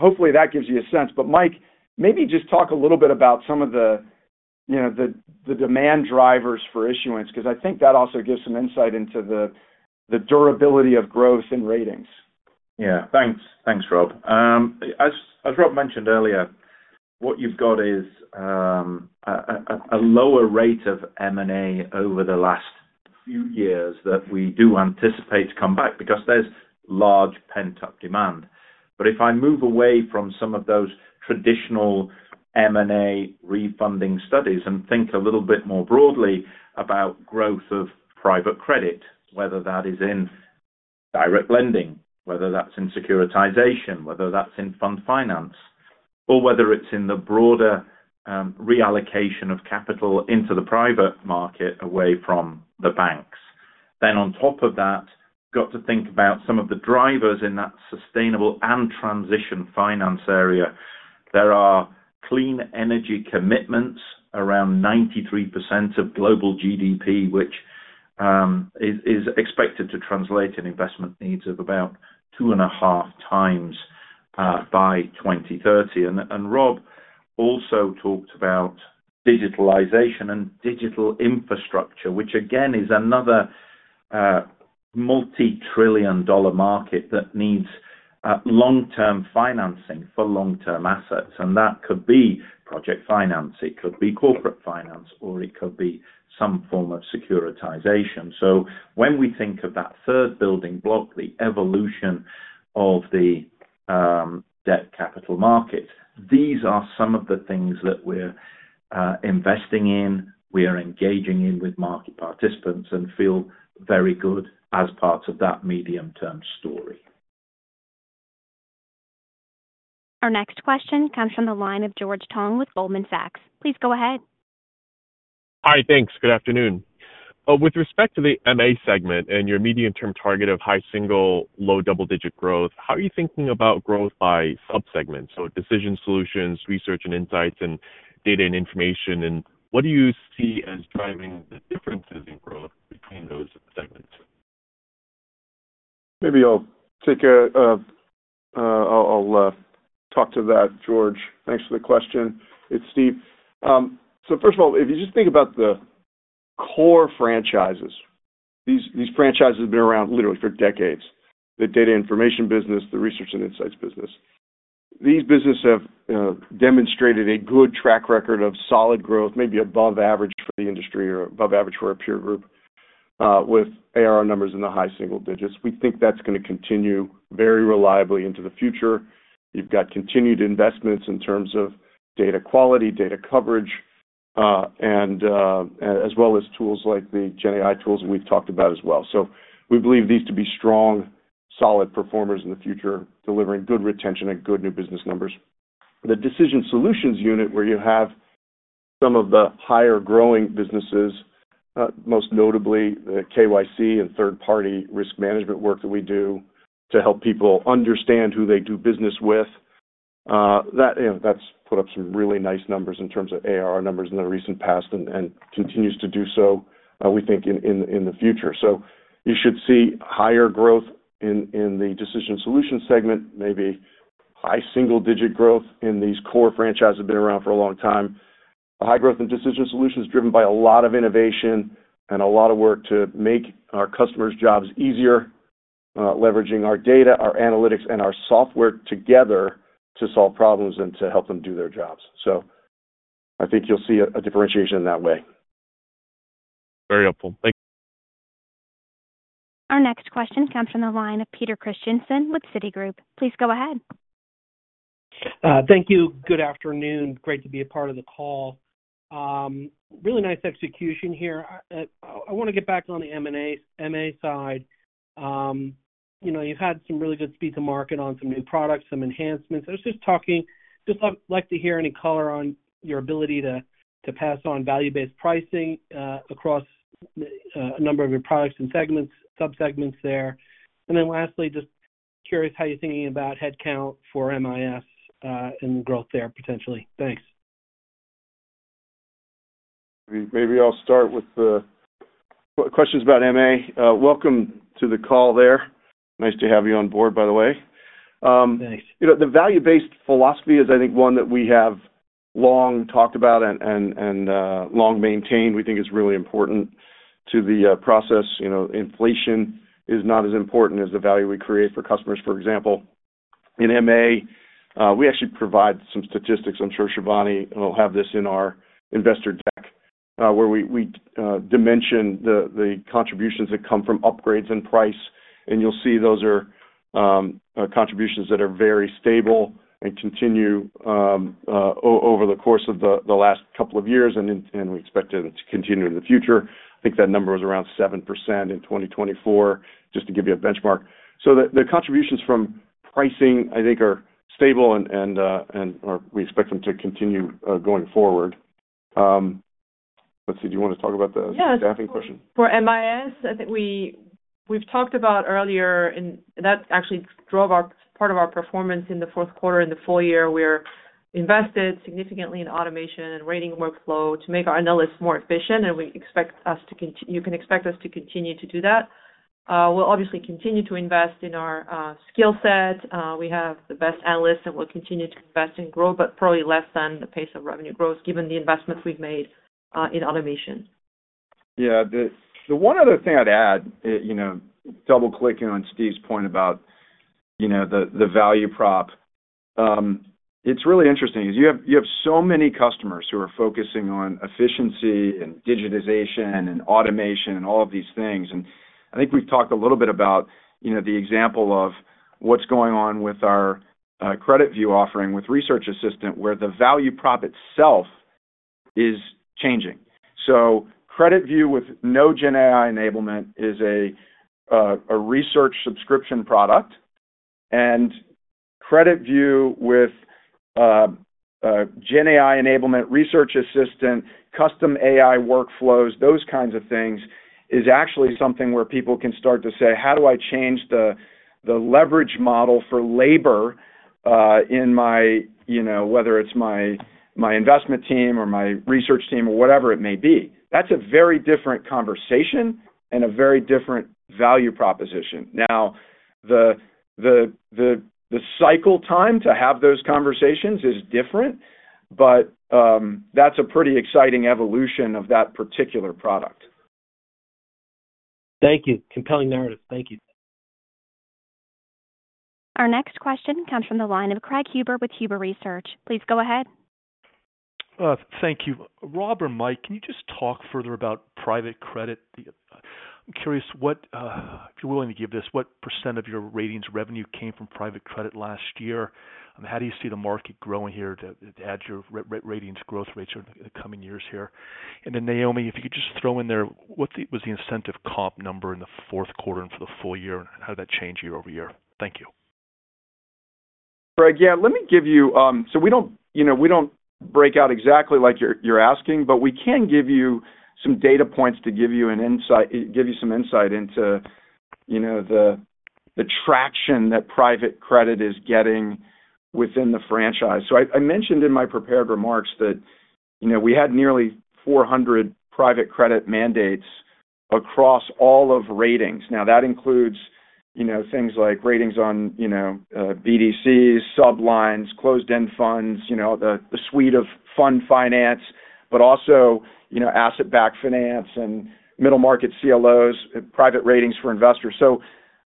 [SPEAKER 3] hopefully, that gives you a sense. But Mike, maybe just talk a little bit about some of the demand drivers for issuance because I think that also gives some insight into the durability of growth and ratings.
[SPEAKER 14] Yeah. Thanks, Rob. As Rob mentioned earlier, what you've got is a lower rate of M&A over the last few years that we do anticipate to come back because there's large pent-up demand. But if I move away from some of those traditional M&A refunding studies and think a little bit more broadly about growth of private credit, whether that is in direct lending, whether that's in securitization, whether that's in fund finance, or whether it's in the broader reallocation of capital into the private market away from the banks. Then on top of that, we've got to think about some of the drivers in that sustainable and transition finance area. There are clean energy commitments around 93% of global GDP, which is expected to translate in investment needs of about two and a half times by 2030. And Rob also talked about digitalization and digital infrastructure, which, again, is another multi-trillion-dollar market that needs long-term financing for long-term assets. And that could be project finance. It could be corporate finance, or it could be some form of securitization. So when we think of that third building block, the evolution of the debt capital market, these are some of the things that we're investing in, we are engaging in with market participants, and feel very good as parts of that medium-term story.
[SPEAKER 1] Our next question comes from the line of George Tong with Goldman Sachs. Please go ahead.
[SPEAKER 15] Hi. Thanks. Good afternoon. With respect to the MA segment and your medium-term target of high single-digit, low double-digit growth, how are you thinking about growth by subsegments? So Decision Solutions, Research and Insights, and Data and Information. And what do you see as driving the differences in growth between those segments?
[SPEAKER 8] Maybe I'll talk to that, George. Thanks for the question. It's Steve. First of all, if you just think about the core franchises, these franchises have been around literally for decades, the Data and Information business, the Research and Insights business. These businesses have demonstrated a good track record of solid growth, maybe above average for the industry or above average for a peer group, with ARR numbers in the high single digits. We think that's going to continue very reliably into the future. You've got continued investments in terms of data quality, data coverage, as well as tools like the GenAI tools that we've talked about as well. So we believe these to be strong, solid performers in the future, delivering good retention and good new business numbers. The Decision Solutions unit, where you have some of the higher-growing businesses, most notably the KYC and third-party risk management work that we do to help people understand who they do business with, that's put up some really nice numbers in terms of ARR numbers in the recent past and continues to do so, we think, in the future. So you should see higher growth in the Decision Solutions segment, maybe high single-digit growth in these core franchises that have been around for a long time. High growth in Decision Solutions is driven by a lot of innovation and a lot of work to make our customers' jobs easier, leveraging our data, our analytics, and our software together to solve problems and to help them do their jobs. So I think you'll see a differentiation in that way.
[SPEAKER 15] Very helpful. Thank you.
[SPEAKER 1] Our next question comes from the line of Peter Christiansen with Citigroup. Please go ahead.
[SPEAKER 16] Thank you. Good afternoon. Great to be a part of the call. Really nice execution here. I want to get back on the MA side. You've had some really good speed to market on some new products, some enhancements. I was just talking. Just like to hear any color on your ability to pass on value-based pricing across a number of your products and subsegments there. And then lastly, just curious how you're thinking about headcount for MIS and growth there potentially. Thanks.
[SPEAKER 8] Maybe I'll start with the questions about MA. Welcome to the call there. Nice to have you on board, by the way. The value-based philosophy is, I think, one that we have long talked about and long maintained. We think it's really important to the process. Inflation is not as important as the value we create for customers. For example, in MA, we actually provide some statistics. I'm sure Shivani will have this in our investor deck, where we dimension the contributions that come from upgrades in price. And you'll see those are contributions that are very stable and continue over the course of the last couple of years, and we expect them to continue in the future. I think that number was around 7% in 2024, just to give you a benchmark. The contributions from pricing, I think, are stable, and we expect them to continue going forward. Let's see. Do you want to talk about the staffing question?
[SPEAKER 4] For MIS, I think we've talked about earlier, and that actually drove part of our performance in the fourth quarter in the full year. We're invested significantly in automation and rating workflow to make our analysts more efficient, and you can expect us to continue to do that. We'll obviously continue to invest in our skill set. We have the best analysts, and we'll continue to invest and grow, but probably less than the pace of revenue growth, given the investments we've made in automation.
[SPEAKER 3] Yeah. The one other thing I'd add, double-clicking on Steve's point about the value prop, it's really interesting because you have so many customers who are focusing on efficiency and digitization and automation and all of these things. And I think we've talked a little bit about the example of what's going on with our CreditView offering with Research Assistant, where the value prop itself is changing. So CreditView with no GenAI enablement is a research subscription product. And CreditView with GenAI enablement, Research Assistant, custom AI workflows, those kinds of things is actually something where people can start to say, "How do I change the leverage model for labor in my, whether it's my investment team or my research team or whatever it may be?" That's a very different conversation and a very different value proposition. Now, the cycle time to have those conversations is different, but that's a pretty exciting evolution of that particular product.
[SPEAKER 16] Thank you. Compelling narrative. Thank you.
[SPEAKER 1] Our next question comes from the line of Craig Huber with Huber Research. Please go ahead.
[SPEAKER 17] Thank you. Rob or Mike, can you just talk further about private credit? I'm curious, if you're willing to give this, what % of your ratings revenue came from private credit last year? How do you see the market growing here to add your ratings growth rates in the coming years here? And then Noémie, if you could just throw in there, what was the incentive comp number in the fourth quarter and for the full year? How did that change year over year? Thank you.
[SPEAKER 3] Again, let me give you so we don't break out exactly like you're asking, but we can give you some data points to give you some insight into the traction that private credit is getting within the franchise. So I mentioned in my prepared remarks that we had nearly 400 private credit mandates across all of ratings. Now, that includes things like ratings on BDCs, sub-lines, closed-end funds, the suite of fund finance, but also asset-backed finance and middle-market CLOs, private ratings for investors.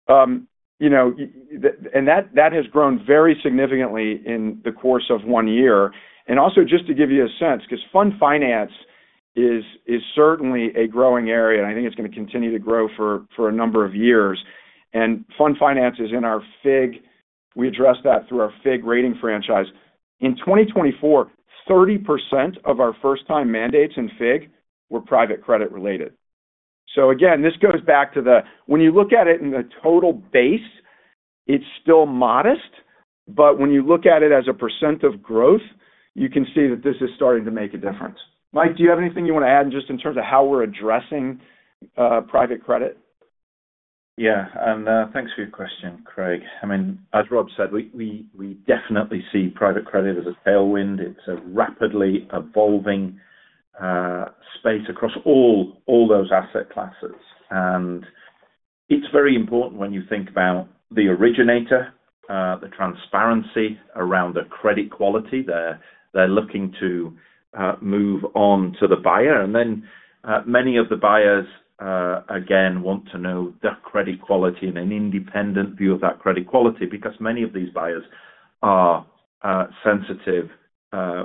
[SPEAKER 3] And that has grown very significantly in the course of one year. And also just to give you a sense, because fund finance is certainly a growing area, and I think it's going to continue to grow for a number of years. And fund finance is in our FIG. We address that through our FIG rating franchise. In 2024, 30% of our first-time mandates in FIG were private credit related, so again, this goes back to when you look at it in the total base. It's still modest. But when you look at it as a percent of growth, you can see that this is starting to make a difference. Mike, do you have anything you want to add just in terms of how we're addressing private credit?
[SPEAKER 14] Yeah. And thanks for your question, Craig. I mean, as Rob said, we definitely see private credit as a tailwind. It's a rapidly evolving space across all those asset classes. And it's very important when you think about the originator, the transparency around the credit quality. They're looking to move on to the buyer. And then many of the buyers, again, want to know the credit quality and an independent view of that credit quality because many of these buyers are sensitive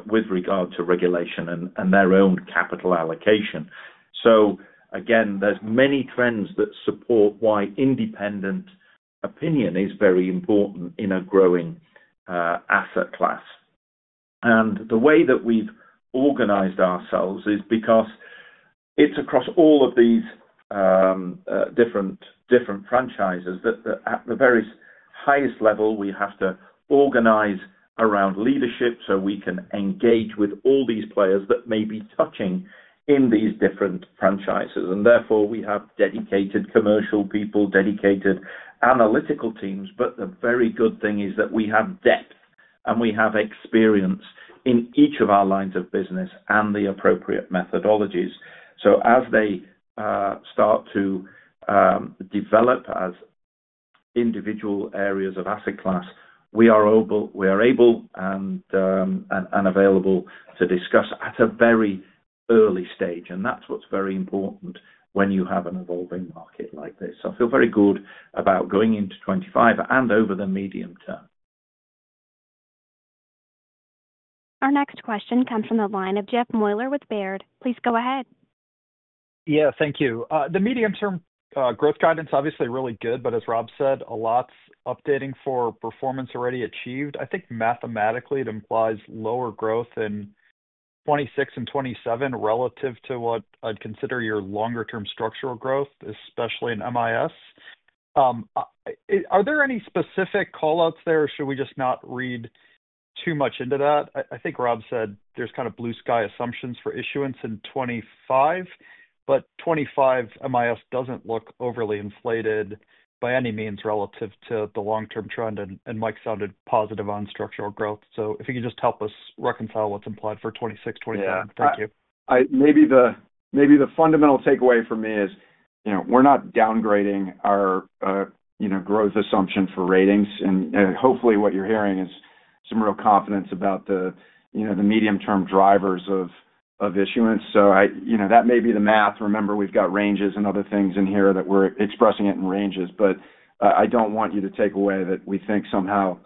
[SPEAKER 14] with regard to regulation and their own capital allocation. So again, there's many trends that support why independent opinion is very important in a growing asset class. And the way that we've organized ourselves is because it's across all of these different franchises that at the very highest level, we have to organize around leadership so we can engage with all these players that may be touching in these different franchises. And therefore, we have dedicated commercial people, dedicated analytical teams. But the very good thing is that we have depth, and we have experience in each of our lines of business and the appropriate methodologies. So as they start to develop as individual areas of asset class, we are able and available to discuss at a very early stage. And that's what's very important when you have an evolving market like this. So I feel very good about going into 2025 and over the medium term.
[SPEAKER 1] Our next question comes from the line of Jeff Meuler with Baird. Please go ahead.
[SPEAKER 18] Yeah. Thank you. The medium-term growth guidance, obviously, really good. But as Rob said, a lot's adjusting for performance already achieved. I think mathematically, it implies lower growth in 2026 and 2027 relative to what I'd consider your longer-term structural growth, especially in MIS. Are there any specific callouts there, or should we just not read too much into that? I think Rob said there's kind of blue sky assumptions for issuance in 2025, but 2025 MIS doesn't look overly inflated by any means relative to the long-term trend, and Mike sounded positive on structural growth, so if you could just help us reconcile what's implied for 2026, 2027. Thank you.
[SPEAKER 3] Maybe the fundamental takeaway for me is we're not downgrading our growth assumption for ratings, and hopefully, what you're hearing is some real confidence about the medium-term drivers of issuance, so that may be the math. Remember, we've got ranges and other things in here that we're expressing it in ranges, but I don't want you to take away that we think somehow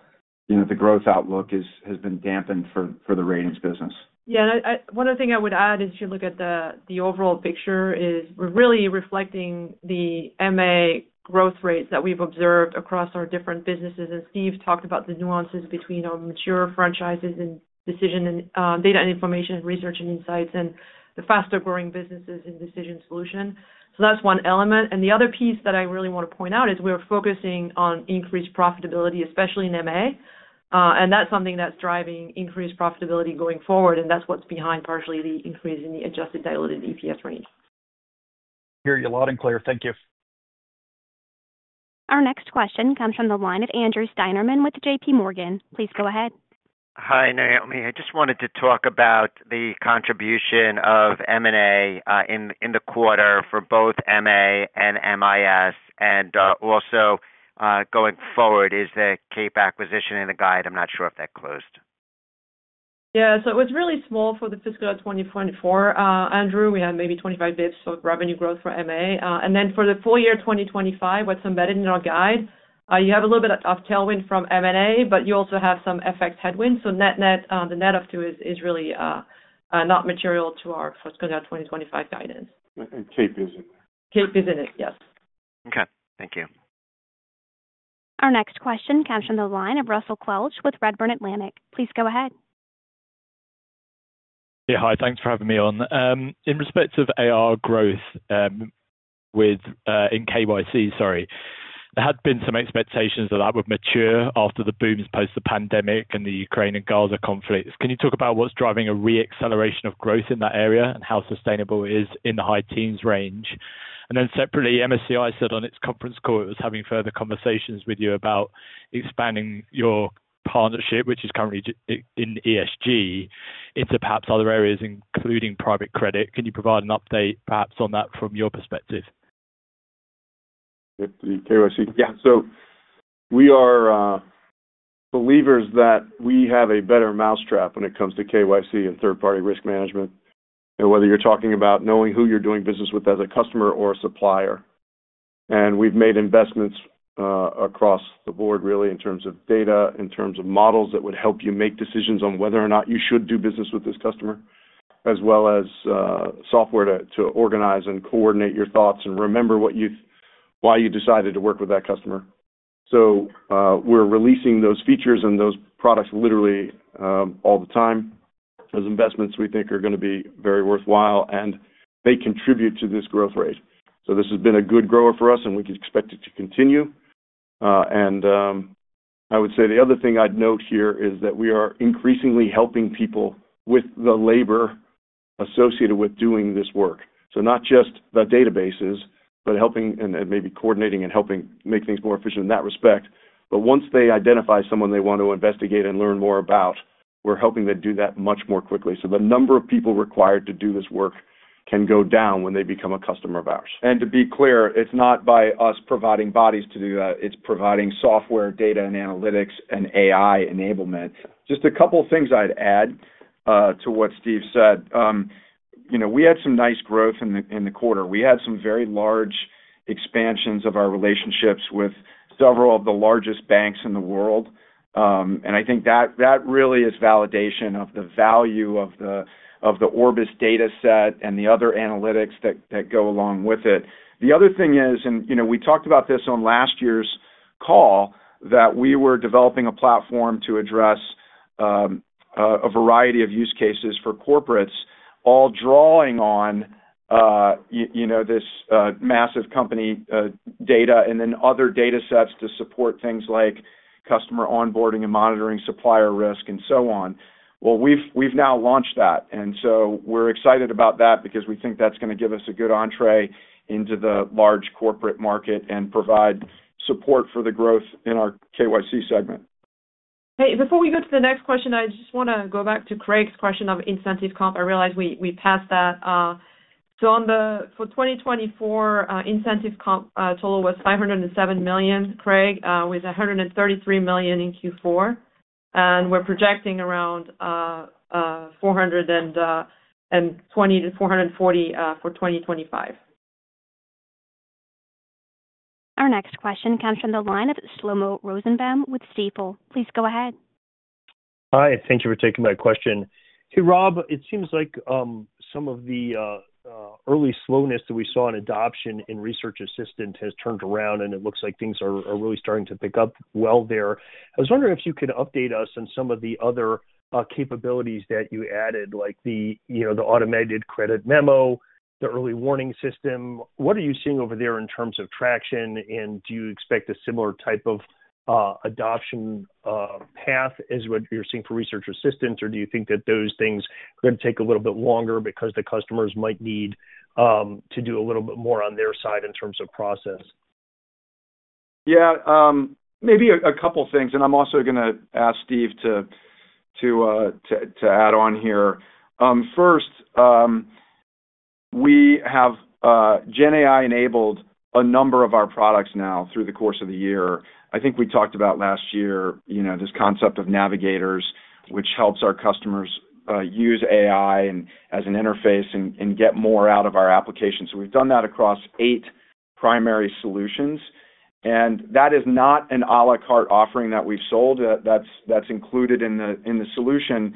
[SPEAKER 3] the growth outlook has been dampened for the ratings business.
[SPEAKER 4] Yeah. One other thing I would add is if you look at the overall picture, we're really reflecting the MA growth rates that we've observed across our different businesses. And Steve talked about the nuances between our mature franchises and Data and Information and Research and Insights and the faster-growing businesses in Decision Solutions. So that's one element. And the other piece that I really want to point out is we're focusing on increased profitability, especially in MA. And that's something that's driving increased profitability going forward. And that's what's behind partially the increase in the Adjusted Diluted EPS range.
[SPEAKER 18] Hear you loud and clear. Thank you.
[SPEAKER 1] Our next question comes from the line of Andrew Steinerman with JPMorgan. Please go ahead.
[SPEAKER 19] Hi, Noémie. I just wanted to talk about the contribution of M&A in the quarter for both MA and MIS. Also, going forward, is the CAPE acquisition in the guide? I'm not sure if that closed.
[SPEAKER 4] Yeah. So it was really small for the fiscal year 2024. Andrew, we had maybe 25 basis points of revenue growth for MA. And then for the full year 2025, what's embedded in our guide, you have a little bit of tailwind from M&A, but you also have some FX headwind. So the net of two is really not material to our fiscal year 2025 guidance. And CAPE is in there. CAPE is in it, yes.
[SPEAKER 19] Okay. Thank you.
[SPEAKER 1] Our next question comes from the line of Russell Quelch with Redburn Atlantic. Please go ahead.
[SPEAKER 20] Yeah. Hi. Thanks for having me on. In respect of ARR growth in KYC, sorry, there had been some expectations that that would mature after the booms post the pandemic and the Ukraine and Gaza conflicts. Can you talk about what's driving a re-acceleration of growth in that area and how sustainable it is in the high teens range? And then separately, MSCI said on its conference call it was having further conversations with you about expanding your partnership, which is currently in ESG, into perhaps other areas, including private credit. Can you provide an update perhaps on that from your perspective?
[SPEAKER 8] KYC, yeah. So we are believers that we have a better mousetrap when it comes to KYC and third-party risk management, whether you're talking about knowing who you're doing business with as a customer or a supplier. And we've made investments across the board, really, in terms of data, in terms of models that would help you make decisions on whether or not you should do business with this customer, as well as software to organize and coordinate your thoughts and remember why you decided to work with that customer. So we're releasing those features and those products literally all the time as investments we think are going to be very worthwhile, and they contribute to this growth rate. So this has been a good grower for us, and we can expect it to continue. And I would say the other thing I'd note here is that we are increasingly helping people with the labor associated with doing this work. So not just the databases, but helping and maybe coordinating and helping make things more efficient in that respect. But once they identify someone they want to investigate and learn more about, we're helping them do that much more quickly. So the number of people required to do this work can go down when they become a customer of ours. And to be clear, it's not by us providing bodies to do that. It's providing software, data, and analytics, and AI enablement.
[SPEAKER 3] Just a couple of things I'd add to what Steve said. We had some nice growth in the quarter. We had some very large expansions of our relationships with several of the largest banks in the world. And I think that really is validation of the value of the Orbis dataset and the other analytics that go along with it. The other thing is, and we talked about this on last year's call, that we were developing a platform to address a variety of use cases for corporates, all drawing on this massive company data and then other datasets to support things like customer onboarding and monitoring supplier risk and so on, well, we've now launched that, and so we're excited about that because we think that's going to give us a good entree into the large corporate market and provide support for the growth in our KYC segment.
[SPEAKER 4] Okay. Before we go to the next question, I just want to go back to Craig's question of incentive comp. I realize we passed that. So for 2024, incentive comp total was $507 million, Craig, with $133 million in Q4. And we're projecting around $420 million-$440 million for 2025.
[SPEAKER 1] Our next question comes from the line of Shlomo Rosenbaum with Stifel. Please go ahead.
[SPEAKER 21] Hi. Thank you for taking my question. Hey, Rob, it seems like some of the early slowness that we saw in adoption in Research Assistant has turned around, and it looks like things are really starting to pick up well there. I was wondering if you could update us on some of the other capabilities that you added, like the Automated Credit Memo, the Early Warning System. What are you seeing over there in terms of traction? And do you expect a similar type of adoption path as what you're seeing for Research Assistant? Or do you think that those things are going to take a little bit longer because the customers might need to do a little bit more on their side in terms of process?
[SPEAKER 3] Yeah. Maybe a couple of things. And I'm also going to ask Steve to add on here. First, we have GenAI enabled a number of our products now through the course of the year. I think we talked about last year this concept of navigators, which helps our customers use AI as an interface and get more out of our application. So we've done that across eight primary solutions. And that is not an à la carte offering that we've sold. That's included in the solution.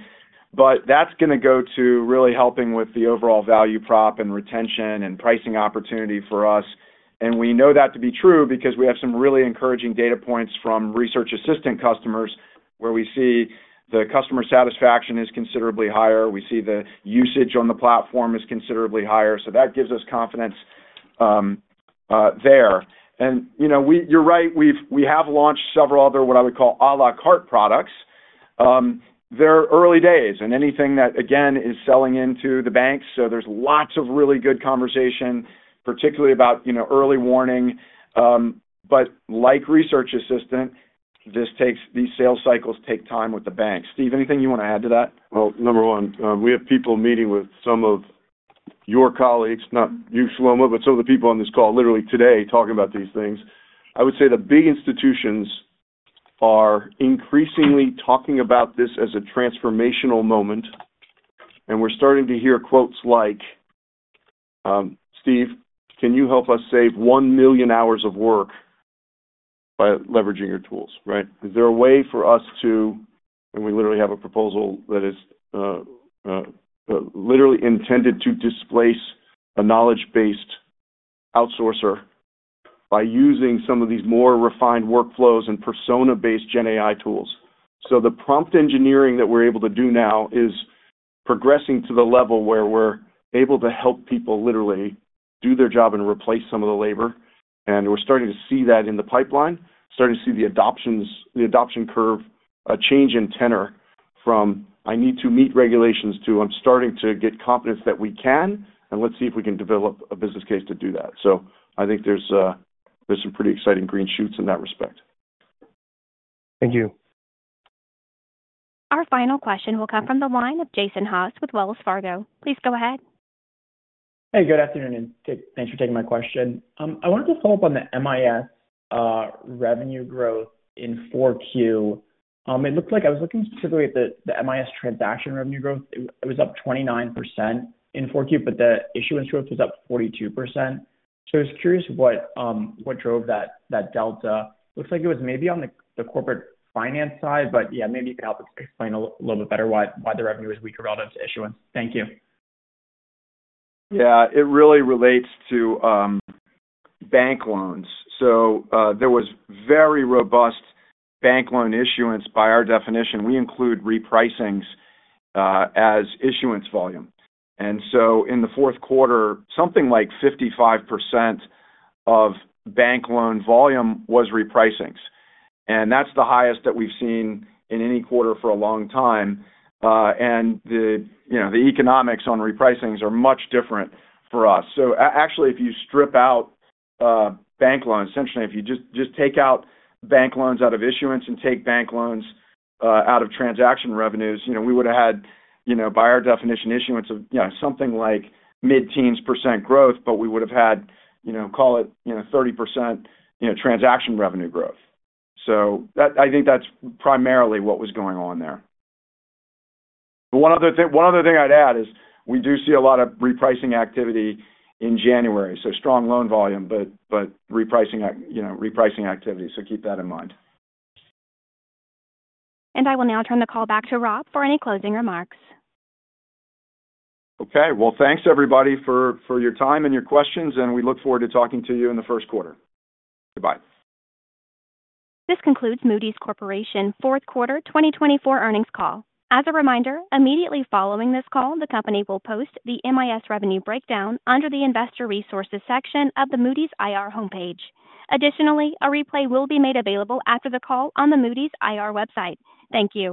[SPEAKER 3] But that's going to go to really helping with the overall value prop and retention and pricing opportunity for us. And we know that to be true because we have some really encouraging data points from Research Assistant customers where we see the customer satisfaction is considerably higher. We see the usage on the platform is considerably higher. So that gives us confidence there. And you're right. We have launched several other what I would call à la carte products. They're early days. And anything that, again, is selling into the banks. So there's lots of really good conversation, particularly about early warning. But like Research Assistant, these sales cycles take time with the banks. Steve, anything you want to add to that?
[SPEAKER 8] Well, number one, we have people meeting with some of your colleagues, not you, Shlomo, but some of the people on this call literally today talking about these things. I would say the big institutions are increasingly talking about this as a transformational moment. And we're starting to hear quotes like, "Steve, can you help us save 1 million hours of work by leveraging your tools?" Right? Is there a way for us to—and we literally have a proposal that is literally intended to displace a knowledge-based outsourcer by using some of these more refined workflows and persona-based GenAI tools? So the prompt engineering that we're able to do now is progressing to the level where we're able to help people literally do their job and replace some of the labor. And we're starting to see that in the pipeline, starting to see the adoption curve change in tenor from, "I need to meet regulations," to, "I'm starting to get confidence that we can, and let's see if we can develop a business case to do that." So I think there's some pretty exciting green shoots in that respect.
[SPEAKER 21] Thank you.
[SPEAKER 1] Our final question will come from the line of Jason Haas with Wells Fargo. Please go ahead.
[SPEAKER 22] Hey, good afternoon. Thanks for taking my question. I wanted to follow up on the MIS revenue growth in 4Q. It looked like I was looking specifically at the MIS transaction revenue growth. It was up 29% in 4Q, but the issuance growth was up 42%. So I was curious what drove that delta. Looks like it was maybe on the corporate finance side, but yeah, maybe you could help explain a little bit better why the revenue was weaker relative to issuance. Thank you.
[SPEAKER 3] Yeah. It really relates to bank loans. So there was very robust bank loan issuance by our definition. We include repricings as issuance volume. And so in the fourth quarter, something like 55% of bank loan volume was repricings. And that's the highest that we've seen in any quarter for a long time. And the economics on repricings are much different for us. So actually, if you strip out bank loans, essentially, if you just take out bank loans out of issuance and take bank loans out of transaction revenues, we would have had, by our definition, issuance of something like mid-teens percent growth, but we would have had, call it, 30% transaction revenue growth. So I think that's primarily what was going on there. One other thing I'd add is we do see a lot of repricing activity in January. So strong loan volume, but repricing activity. So keep that in mind.
[SPEAKER 1] And I will now turn the call back to Rob for any closing remarks.
[SPEAKER 3] Okay. Well, thanks, everybody, for your time and your questions. And we look forward to talking to you in the first quarter. Goodbye.
[SPEAKER 1] This concludes Moody's Corporation fourth quarter 2024 earnings call. As a reminder, immediately following this call, the company will post the MIS revenue breakdown under the investor resources section of the Moody's IR homepage. Additionally, a replay will be made available after the call on the Moody's IR website. Thank you.